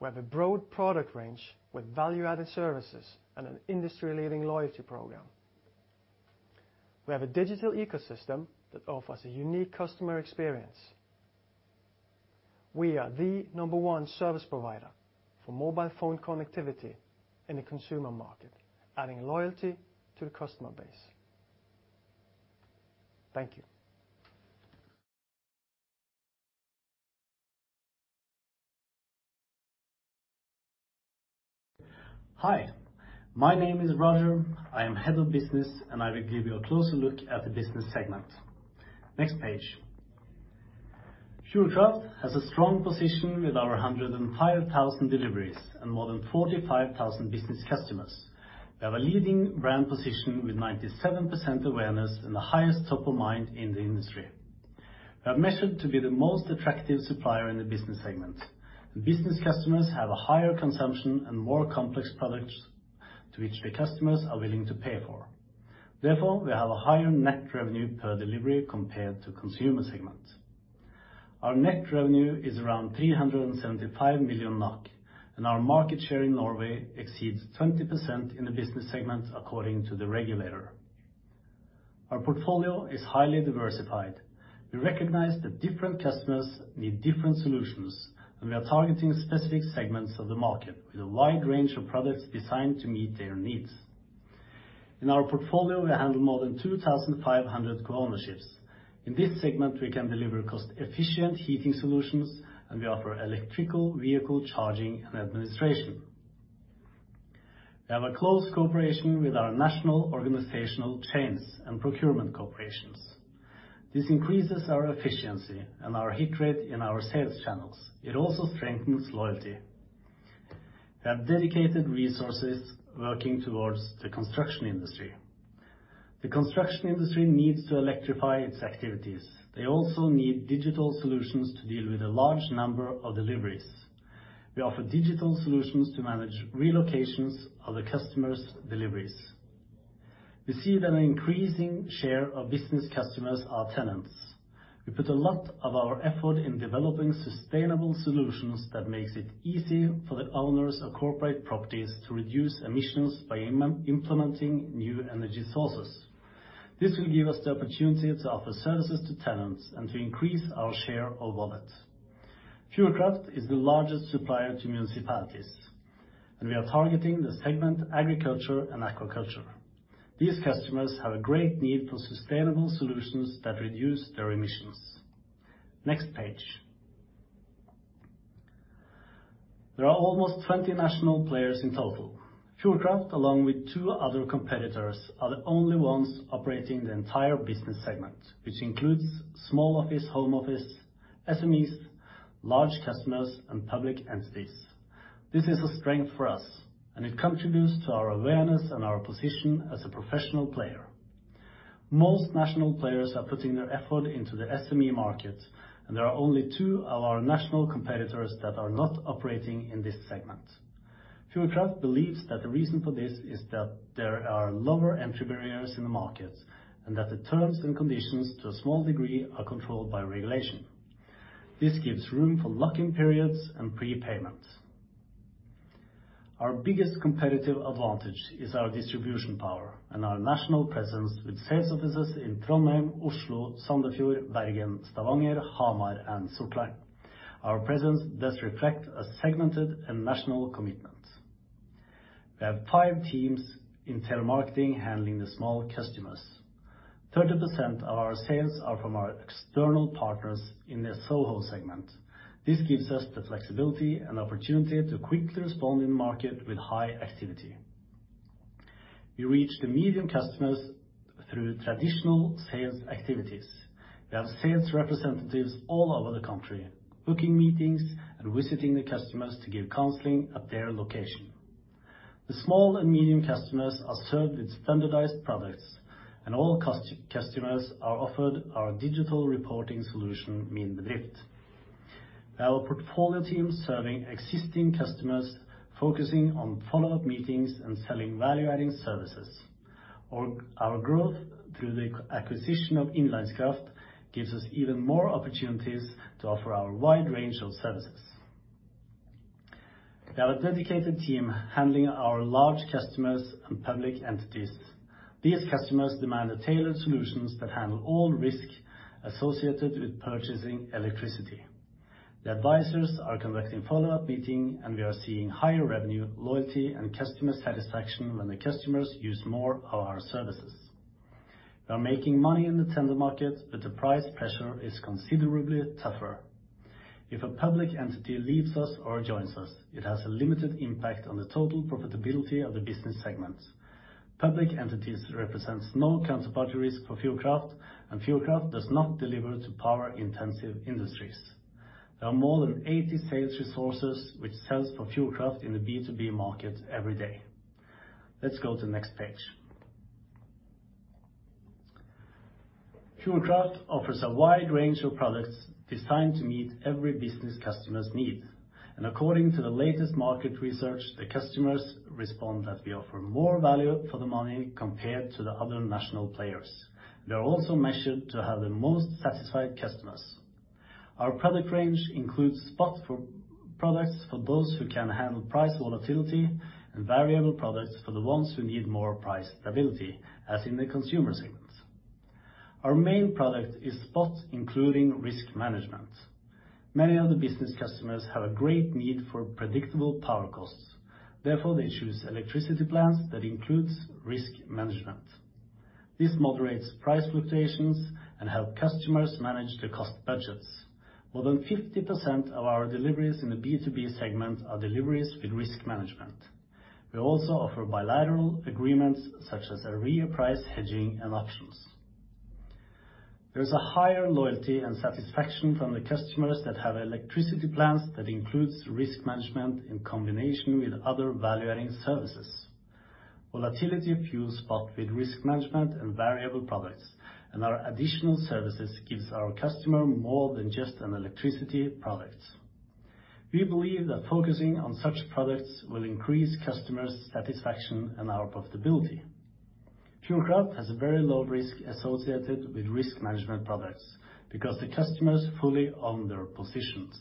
We have a broad product range with value-added services and an industry-leading loyalty program. We have a digital ecosystem that offers a unique customer experience. We are the number one service provider for mobile phone connectivity in the consumer market, adding loyalty to the customer base. Thank you. Hi, my name is Roger. I am Head of Business, and I will give you a closer look at the Business segment. Next page. Fjordkraft has a strong position with over 105,000 deliveries and more than 45,000 business customers. We have a leading brand position with 97% awareness and the highest top of mind in the industry. We are measured to be the most attractive supplier in the Business segment, and Business customers have a higher consumption and more complex products, to which the customers are willing to pay for. Therefore, we have a higher net revenue per delivery compared to consumer segment. Our net revenue is around 375 million NOK, and our market share in Norway exceeds 20% in the Business segment, according to the regulator. Our portfolio is highly diversified. We recognize that different customers need different solutions, and we are targeting specific segments of the market with a wide range of products designed to meet their needs. In our portfolio, we handle more than 2,500 co-ownerships. In this segment, we can deliver cost-efficient heating solutions, and we offer electrical vehicle charging and administration. We have a close cooperation with our national organizational chains and procurement corporations. This increases our efficiency and our hit rate in our sales channels. It also strengthens loyalty. We have dedicated resources working towards the construction industry. The construction industry needs to electrify its activities. They also need digital solutions to deal with a large number of deliveries. We offer digital solutions to manage relocations of the customer's deliveries. We see that an increasing share of business customers are tenants. We put a lot of our effort in developing sustainable solutions that makes it easy for the owners of corporate properties to reduce emissions by implementing new energy sources. This will give us the opportunity to offer services to tenants and to increase our share of wallet. Fjordkraft is the largest supplier to municipalities, and we are targeting the segment agriculture and aquaculture. These customers have a great need for sustainable solutions that reduce their emissions. Next page. There are almost 20 national players in total. Fjordkraft, along with two other competitors, are the only ones operating the entire Business segment, which includes small office, home office, SMEs, large customers, and public entities. This is a strength for us, and it contributes to our awareness and our position as a professional player. Most national players are putting their effort into the SME market. There are only two of our national competitors that are not operating in this segment. Fjordkraft believes that the reason for this is that there are lower entry barriers in the market, and that the terms and conditions, to a small degree, are controlled by regulation. This gives room for lock-in periods and pre-payment. Our biggest competitive advantage is our distribution power and our national presence with sales offices in Trondheim, Oslo, Sandefjord, Bergen, Stavanger, Hamar, and Sortland. Our presence does reflect a segmented and national commitment. We have five teams in telemarketing handling the small customers. 30% of our sales are from our external partners in the SOHO segment. This gives us the flexibility and opportunity to quickly respond in the market with high activity. We reach the medium customers through traditional sales activities. We have sales representatives all over the country, booking meetings and visiting the customers to give counseling at their location. The small and medium customers are served with standardized products, and all customers are offered our digital reporting solution, Min Bedrift. We have a portfolio team serving existing customers, focusing on follow-up meetings and selling value-adding services, or our growth through the acquisition of Innlandskraft gives us even more opportunities to offer our wide range of services. We have a dedicated team handling our large customers and public entities. These customers demand tailored solutions that handle all risks associated with purchasing electricity. The advisors are conducting follow-up meetings, we are seeing higher revenue, loyalty, and customer satisfaction when the customers use more of our services. We are making money in the tender market, the price pressure is considerably tougher. If a public entity leaves us or joins us, it has a limited impact on the total profitability of the Business segment. Public entities represent no counterparty risk for Fjordkraft, and Fjordkraft does not deliver to power-intensive industries. There are more than 80 sales resources, which sells for Fjordkraft in the B2B market every day. Let's go to the next page. Fjordkraft offers a wide range of products designed to meet every business customer's needs. According to the latest market research, the customers respond that we offer more value for the money compared to the other national players. We are also measured to have the most satisfied customers. Our product range includes spot products for those who can handle price volatility and variable products for the ones who need more price stability, as in the Consumer segment. Our main product is spot, including risk management. Many of the business customers have a great need for predictable power costs. Therefore, they choose electricity plans that includes risk management. This moderates price fluctuations and help customers manage their cost budgets. More than 50% of our deliveries in the B2B segment are deliveries with risk management. We also offer bilateral agreements such as area price hedging and options. There is a higher loyalty and satisfaction from the customers that have electricity plans that includes risk management in combination with other value-adding services. Volatility fuels spot with risk management and variable products, and our additional services gives our customer more than just an electricity product. We believe that focusing on such products will increase customers' satisfaction and our profitability. Fjordkraft has a very low risk associated with risk management products because the customers fully own their positions.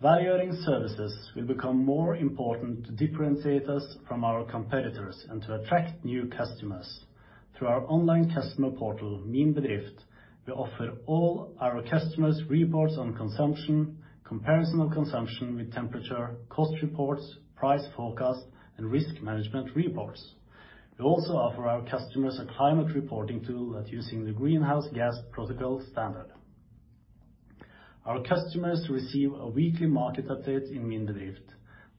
Value-adding services will become more important to differentiate us from our competitors and to attract new customers. Through our online customer portal, Min Bedrift, we offer all our customers reports on consumption, comparison of consumption with temperature, cost reports, price forecast, and risk management reports. We also offer our customers a climate reporting tool that's using the Greenhouse Gas Protocol standard. Our customers receive a weekly market update in Min Bedrift.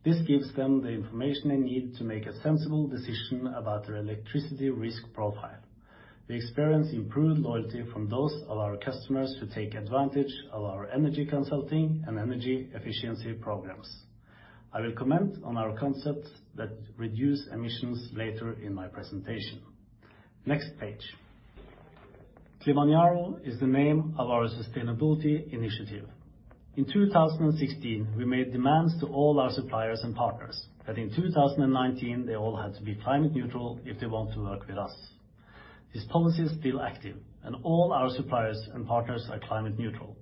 This gives them the information they need to make a sensible decision about their electricity risk profile. We experience improved loyalty from those of our customers who take advantage of our energy consulting and energy efficiency programs. I will comment on our concepts that reduce emissions later in my presentation. Next page. Klimanjaro is the name of our sustainability initiative. In 2016, we made demands to all our suppliers and partners that in 2019, they all had to be climate neutral if they want to work with us. This policy is still active, and all our suppliers and partners are climate neutral.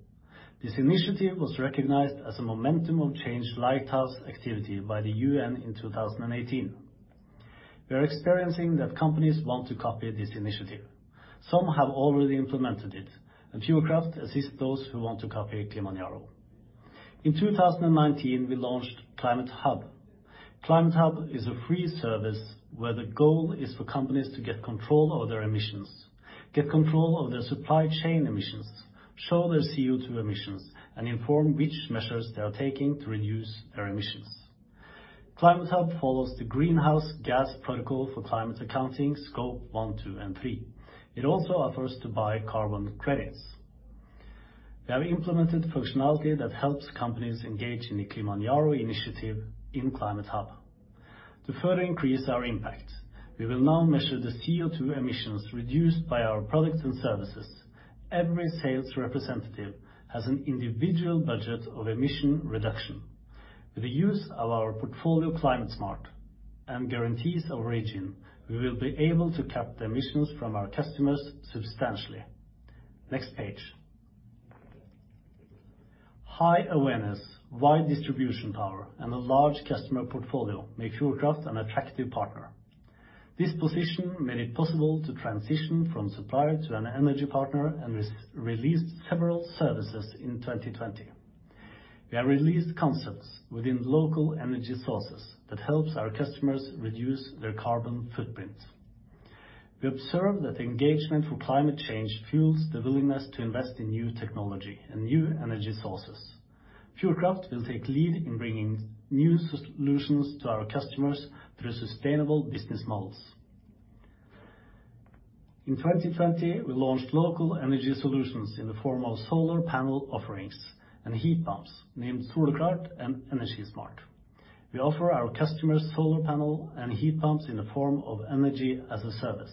This initiative was recognized as a Momentum for Change Lighthouse Activities by the UN in 2018. We are experiencing that companies want to copy this initiative. Some have already implemented it, and Fjordkraft assists those who want to copy Klimanjaro. In 2019, we launched Klimahub. Klimahub is a free service where the goal is for companies to get control over their emissions, get control of their supply chain emissions, show their CO2 emissions, and inform which measures they are taking to reduce their emissions. Klimahub follows the Greenhouse Gas Protocol for climate accounting, Scope 1, 2, and 3. It also offers to buy carbon credits. We have implemented functionality that helps companies engage in the Klimanjaro initiative in Klimahub. To further increase our impact, we will now measure the CO2 emissions reduced by our products and services. Every sales representative has an individual budget of emission reduction. With the use of our portfolio Klimasmart and guarantees of origin, we will be able to cap the emissions from our customers substantially. Next page. High awareness, wide distribution power, and a large customer portfolio make Fjordkraft an attractive partner. This position made it possible to transition from supplier to an energy partner and released several services in 2020. We have released concepts within local energy sources that helps our customers reduce their carbon footprint. We observe that engagement for climate change fuels the willingness to invest in new technology and new energy sources. Fjordkraft will take lead in bringing new solutions to our customers through sustainable business models. In 2020, we launched local energy solutions in the form of solar panel offerings and heat pumps named Soleklart and Energismart. We offer our customers solar panel and heat pumps in the form of energy-as-a-service.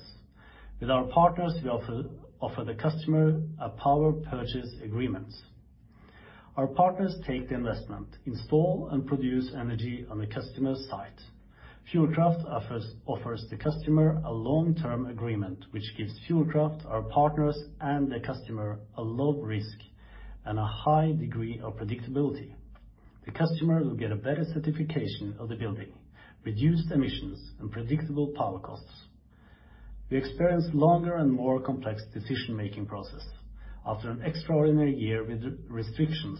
With our partners, we offer the customer a power purchase agreement. Our partners take the investment, install, and produce energy on the customer's site. Fjordkraft offers the customer a long-term agreement, which gives Fjordkraft, our partners, and the customer a low risk and a high degree of predictability. The customer will get a better certification of the building, reduced emissions, and predictable power costs. We experience longer and more complex decision-making process. After an extraordinary year with restrictions,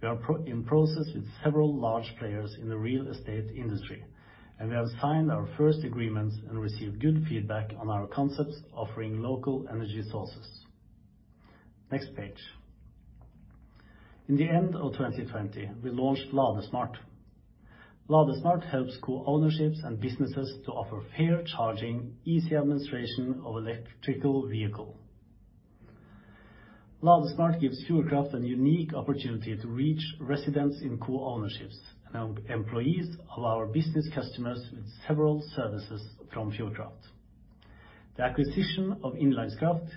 we are in process with several large players in the real estate industry, and we have signed our first agreements and received good feedback on our concepts offering local energy sources. Next page. In the end of 2020, we launched Ladesmart. Ladesmart helps co-ownerships and businesses to offer fair charging, easy administration of electric vehicle. Ladesmart gives Fjordkraft a unique opportunity to reach residents in co-ownerships and employees of our business customers with several services from Fjordkraft. The acquisition of Innlandskraft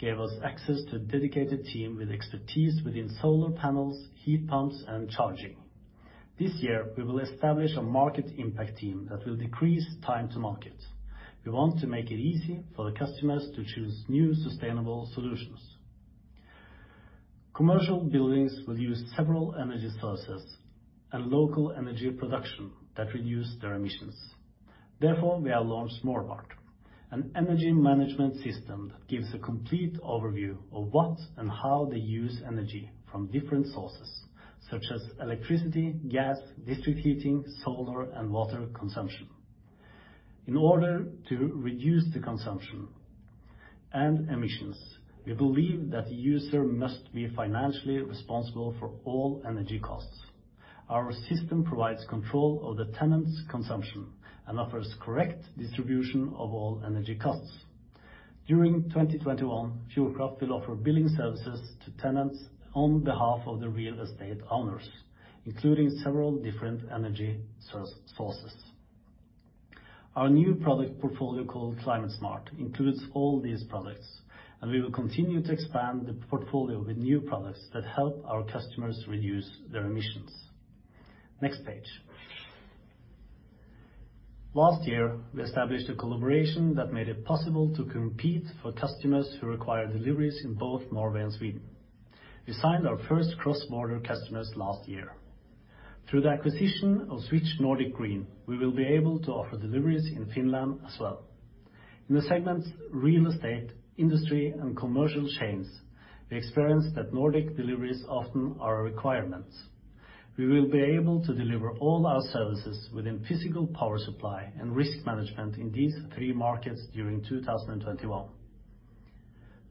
gave us access to a dedicated team with expertise within solar panels, heat pumps, and charging. This year, we will establish a market impact team that will decrease time to market. We want to make it easy for the customers to choose new sustainable solutions. Commercial buildings will use several energy sources and local energy production that reduce their emissions. Therefore, we have launched Målbart, an energy management system that gives a complete overview of what and how they use energy from different sources, such as electricity, gas, district heating, solar, and water consumption. In order to reduce the consumption and emissions, we believe that the user must be financially responsible for all energy costs. Our system provides control of the tenant's consumption and offers correct distribution of all energy costs. During 2021, Fjordkraft will offer billing services to tenants on behalf of the real estate owners, including several different energy sources. Our new product portfolio, called Klimasmart, includes all these products, and we will continue to expand the portfolio with new products that help our customers reduce their emissions. Next page. Last year, we established a collaboration that made it possible to compete for customers who require deliveries in both Norway and Sweden. We signed our first cross-border customers last year. Through the acquisition of Switch Nordic Green, we will be able to offer deliveries in Finland as well. In the segments real estate, industry, and commercial chains, we experience that Nordic deliveries often are a requirement. We will be able to deliver all our services within physical power supply and risk management in these three markets during 2021.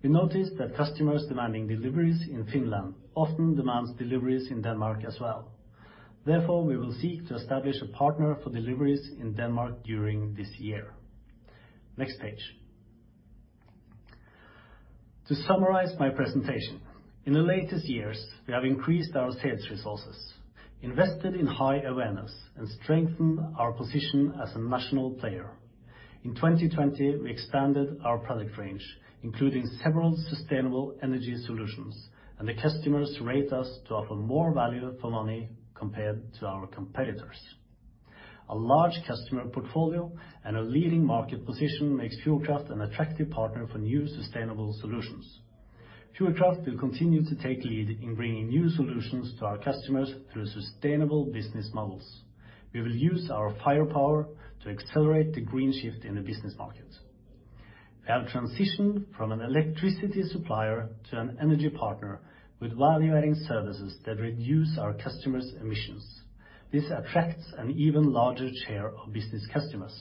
We noticed that customers demanding deliveries in Finland often demands deliveries in Denmark as well. Therefore, we will seek to establish a partner for deliveries in Denmark during this year. Next page. To summarize my presentation, in the latest years, we have increased our sales resources, invested in high awareness, and strengthened our position as a national player. In 2020, we expanded our product range, including several sustainable energy solutions, and the customers rate us to offer more value for money compared to our competitors. A large customer portfolio and a leading market position makes Fjordkraft an attractive partner for new sustainable solutions. Fjordkraft will continue to take lead in bringing new solutions to our customers through sustainable business models. We will use our firepower to accelerate the green shift in the business market. We have transitioned from an electricity supplier to an energy partner with value-adding services that reduce our customers' emissions. This attracts an even larger share of business customers.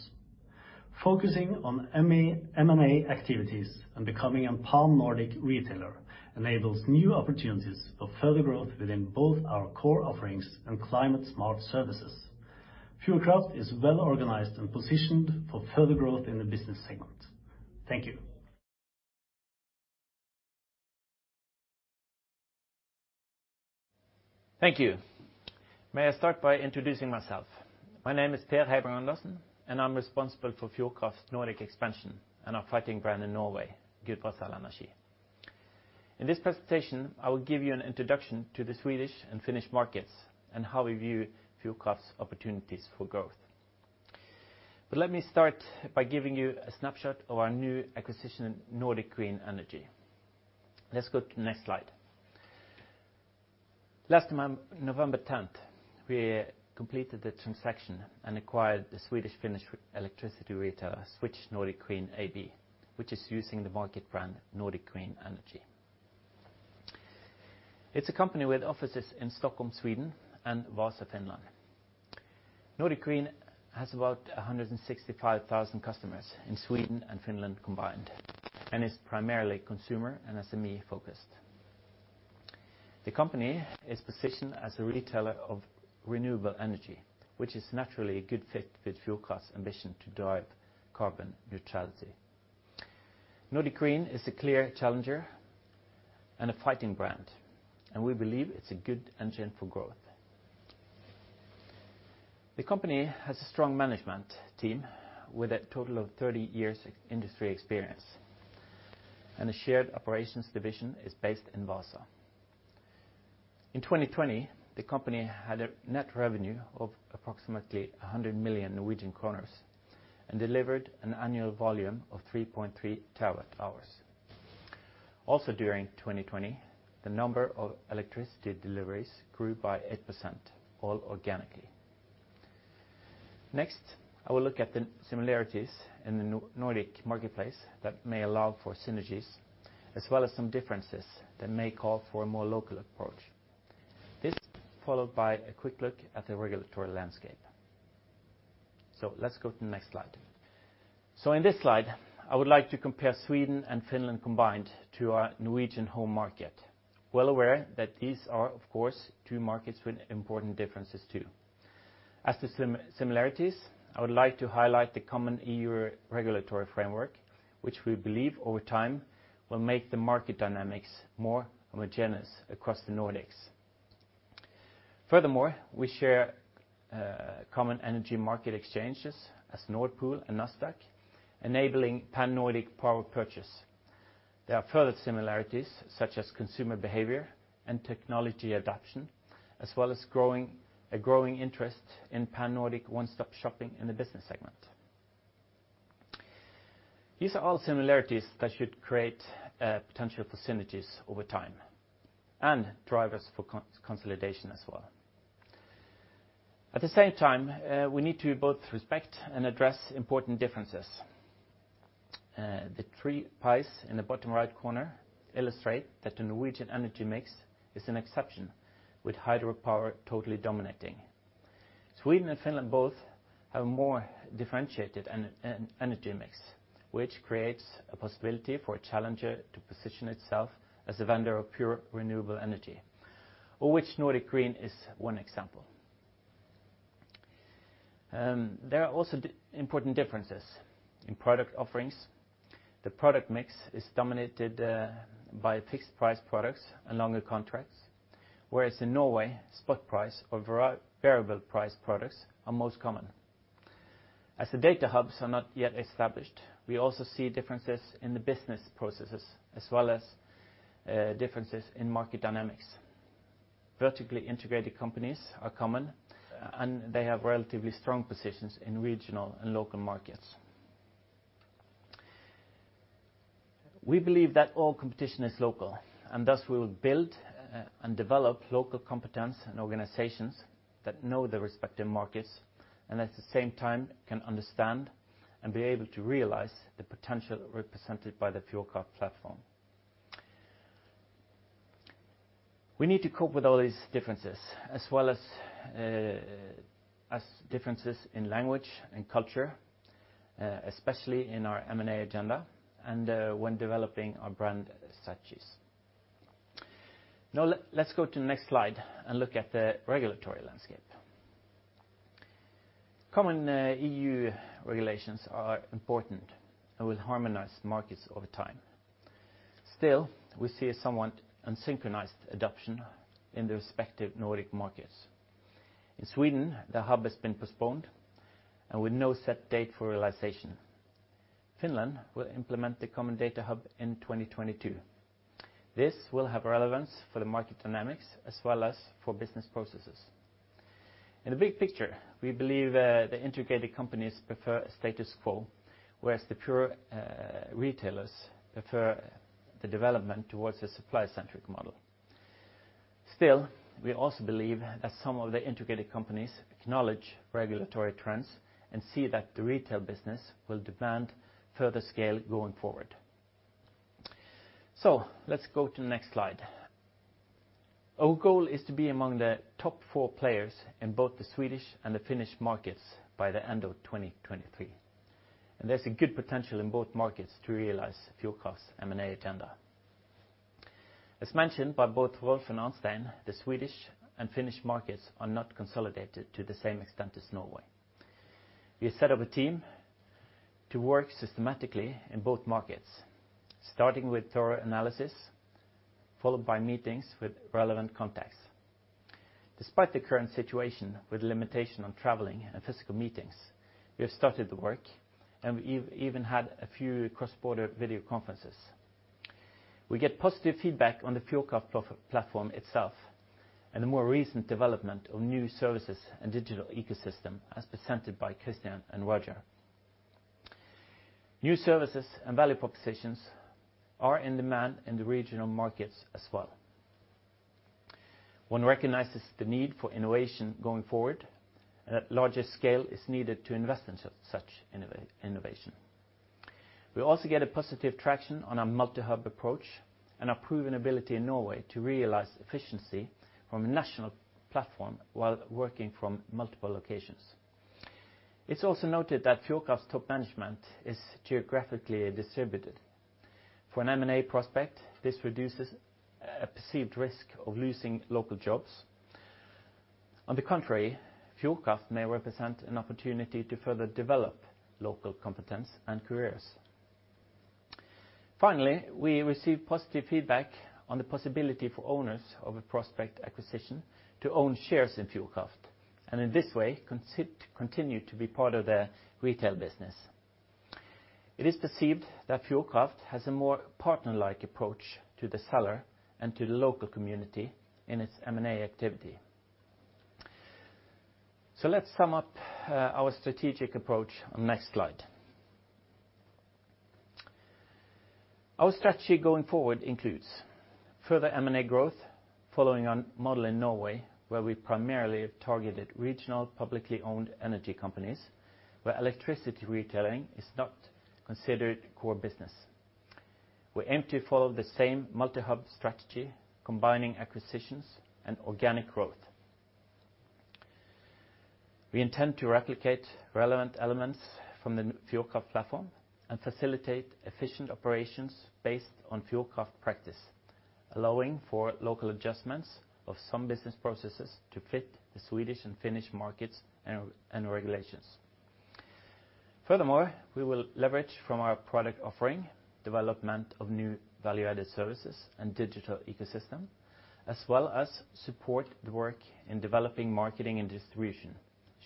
Focusing on M&A activities and becoming a pan-Nordic retailer enables new opportunities for further growth within both our core offerings and climate smart services. Fjordkraft is well organized and positioned for further growth in the business segment. Thank you. May I start by introducing myself? My name is Per Heiberg-Andersen, and I'm responsible for Fjordkraft Nordic Expansion and our fighting brand in Norway, Gudbrandsdal Energi. In this presentation, I will give you an introduction to the Swedish and Finnish markets and how we view Fjordkraft opportunities for growth. Let me start by giving you a snapshot of our new acquisition, Nordic Green Energy. Let's go to the next slide. Last month, November 10th, we completed the transaction and acquired the Swedish Finnish electricity retailer, Switch Nordic Green AB, which is using the market brand Nordic Green Energy. It's a company with offices in Stockholm, Sweden, and Vaasa, Finland. Nordic Green has about 165,000 customers in Sweden and Finland combined and is primarily consumer and SME-focused. The company is positioned as a retailer of renewable energy, which is naturally a good fit with Fjordkraft's ambition to drive carbon neutrality. Nordic Green is a clear challenger and a fighting brand. We believe it's a good engine for growth. The company has a strong management team with a total of 30 years industry experience. A shared operations division is based in Vaasa. In 2020, the company had a net revenue of approximately 100 million Norwegian kroner and delivered an annual volume of 3.3 TWh. Also during 2020, the number of electricity deliveries grew by 8%, all organically. Next, I will look at the similarities in the Nordic Marketplace that may allow for synergies, as well as some differences that may call for a more local approach. This is followed by a quick look at the regulatory landscape. Let's go to the next slide. In this slide, I would like to compare Sweden and Finland combined to our Norwegian home market. Well aware that these are, of course, two markets with important differences, too. As to similarities, I would like to highlight the common EU regulatory framework, which we believe over time will make the market dynamics more homogeneous across the Nordics. Furthermore, we share common energy market exchanges as Nord Pool and Nasdaq, enabling Pan-Nordic power purchase. There are further similarities such as consumer behavior and technology adoption, as well as a growing interest in Pan-Nordic one-stop shopping in the Business segment. These are all similarities that should create potential for synergies over time and drivers for consolidation as well. At the same time, we need to both respect and address important differences. The three pies in the bottom right corner illustrate that the Norwegian energy mix is an exception, with hydropower totally dominating. Sweden and Finland both have more differentiated energy mix, which creates a possibility for a challenger to position itself as a vendor of pure renewable energy. Of which Nordic Green is one example. There are also important differences in product offerings. The product mix is dominated by fixed price products and longer contracts, whereas in Norway, spot price or variable price products are most common. As the data hubs are not yet established, we also see differences in the business processes as well as differences in market dynamics. Vertically integrated companies are common, and they have relatively strong positions in regional and local markets. We believe that all competition is local, thus we will build and develop local competence and organizations that know their respective markets and at the same time can understand and be able to realize the potential represented by the Fjordkraft platform. We need to cope with all these differences as well as differences in language and culture, especially in our M&A agenda and when developing our brand strategies. Let's go to the next slide and look at the regulatory landscape. Common EU regulations are important and will harmonize markets over time. We see a somewhat unsynchronized adoption in the respective Nordic markets. In Sweden, the hub has been postponed with no set date for realization. Finland will implement the common data hub in 2022. This will have relevance for the market dynamics as well as for business processes. In the big picture, we believe the integrated companies prefer status quo, whereas the pure retailers prefer the development towards a supply-centric model. Still, we also believe that some of the integrated companies acknowledge regulatory trends and see that the retail business will demand further scale going forward. Let's go to the next slide. Our goal is to be among the top four players in both the Swedish and the Finnish markets by the end of 2023. There's a good potential in both markets to realize Fjordkraft's M&A agenda. As mentioned by both Rolf and Arnstein, the Swedish and Finnish markets are not consolidated to the same extent as Norway. We have set up a team to work systematically in both markets, starting with thorough analysis, followed by meetings with relevant contacts. Despite the current situation with limitation on traveling and physical meetings, we have started the work and we even had a few cross-border video conferences. We get positive feedback on the Fjordkraft platform itself and the more recent development of new services and digital ecosystem as presented by Christian and Roger. New services and value propositions are in demand in the regional markets as well. One recognizes the need for innovation going forward and that larger scale is needed to invest in such innovation. We also get a positive traction on our multi-hub approach and our proven ability in Norway to realize efficiency from a national platform while working from multiple locations. It's also noted that Fjordkraft's top management is geographically distributed. For an M&A prospect, this reduces a perceived risk of losing local jobs. On the contrary, Fjordkraft may represent an opportunity to further develop local competence and careers. Finally, we receive positive feedback on the possibility for owners of a prospect acquisition to own shares in Fjordkraft and in this way, continue to be part of the retail business. It is perceived that Fjordkraft has a more partner-like approach to the seller and to the local community in its M&A activity. Let's sum up our strategic approach on next slide. Our strategy going forward includes further M&A growth following on model in Norway, where we primarily targeted regional publicly owned energy companies, where electricity retailing is not considered core business. We aim to follow the same multi-hub strategy, combining acquisitions and organic growth. We intend to replicate relevant elements from the Fjordkraft platform and facilitate efficient operations based on Fjordkraft practice, allowing for local adjustments of some business processes to fit the Swedish and Finnish markets and regulations. Furthermore, we will leverage from our product offering, development of new value-added services and digital ecosystem, as well as support the work in developing marketing and distribution,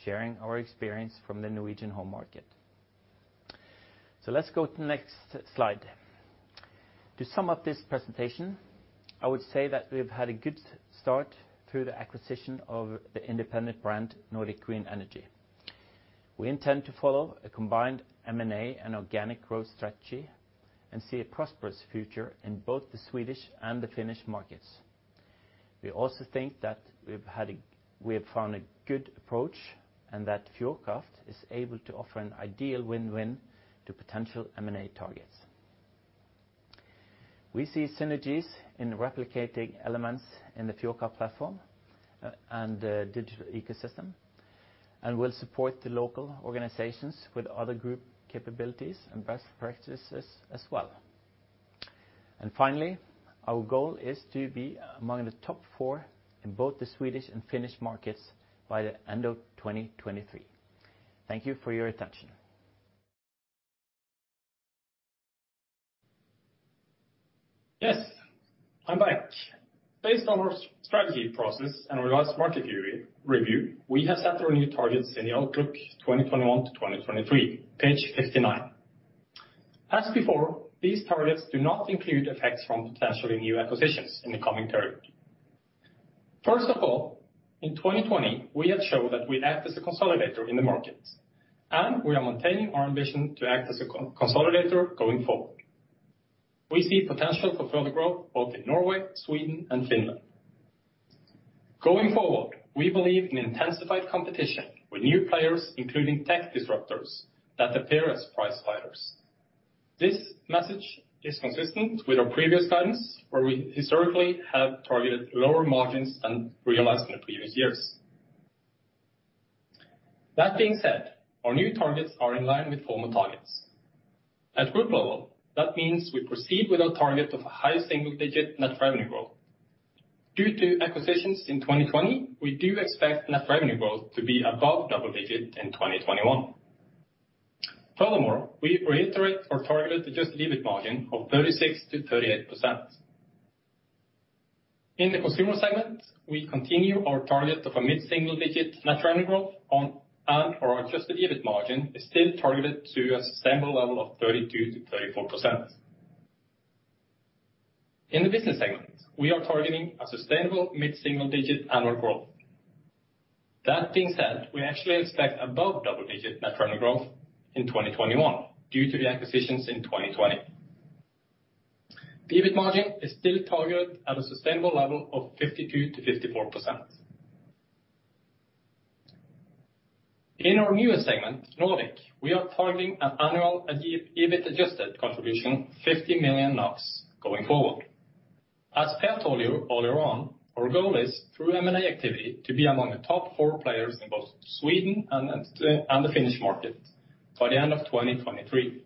sharing our experience from the Norwegian home market. Let's go to the next slide. To sum up this presentation, I would say that we've had a good start through the acquisition of the independent brand, Nordic Green Energy. We intend to follow a combined M&A and organic growth strategy and see a prosperous future in both the Swedish and the Finnish markets. We also think that we've found a good approach and that Fjordkraft is able to offer an ideal win-win to potential M&A targets. We see synergies in replicating elements in the Fjordkraft platform and the digital ecosystem and will support the local organizations with other group capabilities and best practices as well. Finally, our goal is to be among the top four in both the Swedish and Finnish markets by the end of 2023. Thank you for your attention. Yes, I'm back. Based on our strategy process and regards to market review, we have set our new targets in the outlook 2021 to 2023, page 59. As before, these targets do not include effects from potentially new acquisitions in the coming period. First of all, in 2020, we had shown that we act as a consolidator in the markets. We are maintaining our ambition to act as a consolidator going forward. We see potential for further growth both in Norway, Sweden and Finland. Going forward, we believe in intensified competition with new players, including tech disruptors that appear as price fighters. This message is consistent with our previous guidance, where we historically have targeted lower margins than realized in the previous years. That being said, our new targets are in line with former targets. At group level, that means we proceed with our target of a high single-digit net revenue growth. Due to acquisitions in 2020, we do expect net revenue growth to be above double-digit in 2021. Furthermore, we reiterate our target adjusted EBIT margin of 36%-38%. In the consumer segment, we continue our target of a mid-single-digit net revenue growth and our adjusted EBIT margin is still targeted to a sustainable level of 32%-34%. In the business segment, we are targeting a sustainable mid-single-digit annual growth. That being said, we actually expect above double-digit net revenue growth in 2021 due to the acquisitions in 2020. EBIT margin is still targeted at a sustainable level of 52%-54%. In our newest segment, Nordic, we are targeting an annual EBIT adjusted contribution 50 million NOK going forward. As Per told you earlier on, our goal is, through M&A activity, to be among the top four players in both Sweden and the Finnish market by the end of 2023.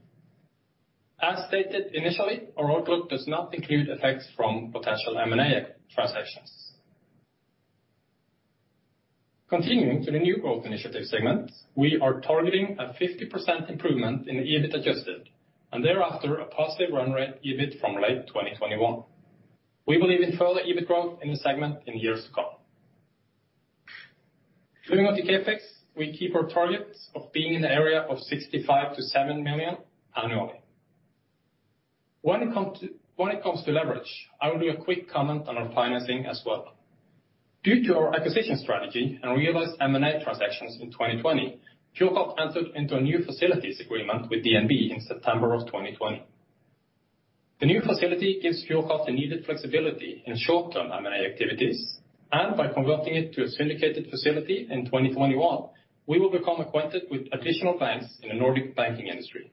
As stated initially, our outlook does not include effects from potential M&A transactions. Continuing to the new growth initiative segment, we are targeting a 50% improvement in the EBIT adjusted, and thereafter a positive run rate EBIT from late 2021. We believe in further EBIT growth in the segment in years to come. Moving on to CapEx, we keep our targets of being in the area of 65 million-70 million annually. When it comes to leverage, I will do a quick comment on our financing as well. Due to our acquisition strategy and realized M&A transactions in 2020, Fjordkraft entered into a new facilities agreement with DNB in September of 2020. The new facility gives Elmera Group the needed flexibility in short-term M&A activities, and by converting it to a syndicated facility in 2021, we will become acquainted with additional banks in the Nordic banking industry.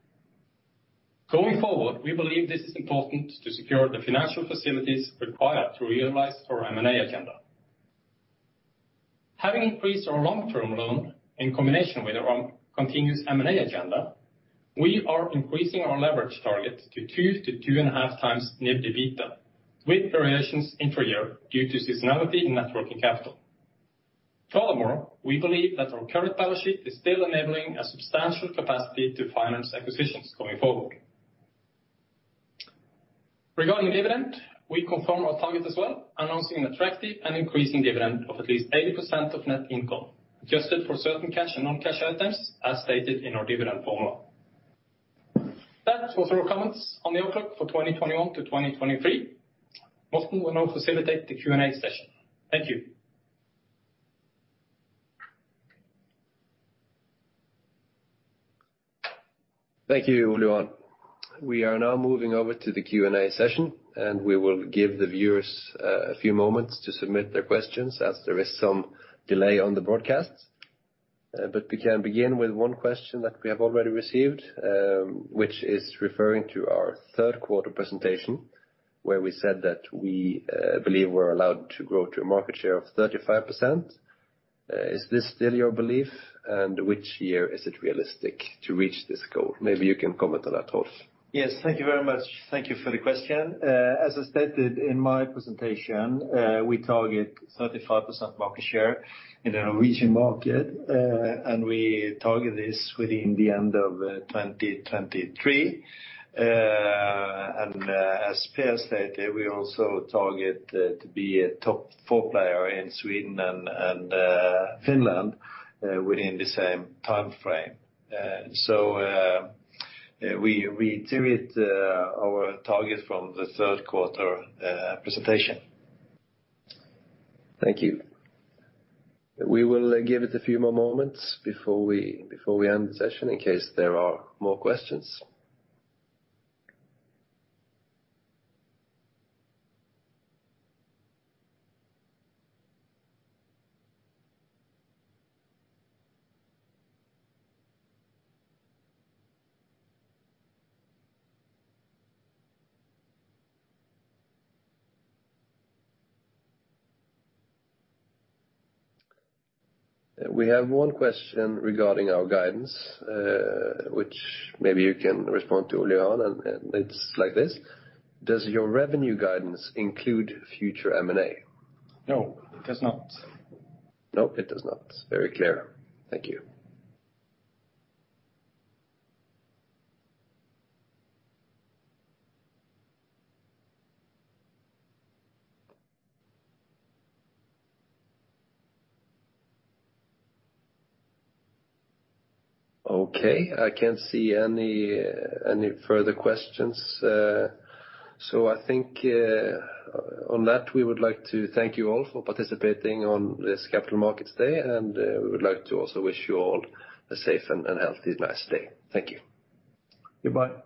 We believe this is important to secure the financial facilities required to realize our M&A agenda. Having increased our long-term loan in combination with our continuous M&A agenda, we are increasing our leverage target to 2x-2.5x NIBD/EBITDA, with variations intra-year due to seasonality in net working capital. We believe that our current balance sheet is still enabling a substantial capacity to finance acquisitions going forward. Regarding the dividend, we confirm our target as well, announcing an attractive and increasing dividend of at least 80% of net income, adjusted for certain cash and non-cash items as stated in our dividend formula. That was our comments on the outlook for 2021 to 2023. Morten will now facilitate the Q&A session. Thank you. Thank you, Ole Johan. We are now moving over to the Q&A session, and we will give the viewers a few moments to submit their questions as there is some delay on the broadcast. We can begin with one question that we have already received, which is referring to our third quarter presentation, where we said that we believe we're allowed to grow to a market share of 35%. Is this still your belief? Which year is it realistic to reach this goal? Maybe you can comment on that, Rolf. Yes. Thank you very much. Thank you for the question. As I stated in my presentation, we target 35% market share in the Norwegian market, and we target this within the end of 2023. As Per stated, we also target to be a top four player in Sweden and Finland within the same timeframe. We reiterate our target from the third quarter presentation. Thank you. We will give it a few more moments before we end the session in case there are more questions. We have one question regarding our guidance, which maybe you can respond to Ole Johan. It's like this: Does your revenue guidance include future M&A? No, it does not. No, it does not. Very clear. Thank you. Okay. I can't see any further questions. I think on that, we would like to thank you all for participating on this Capital Markets Day, and we would like to also wish you all a safe and healthy nice day. Thank you. Goodbye.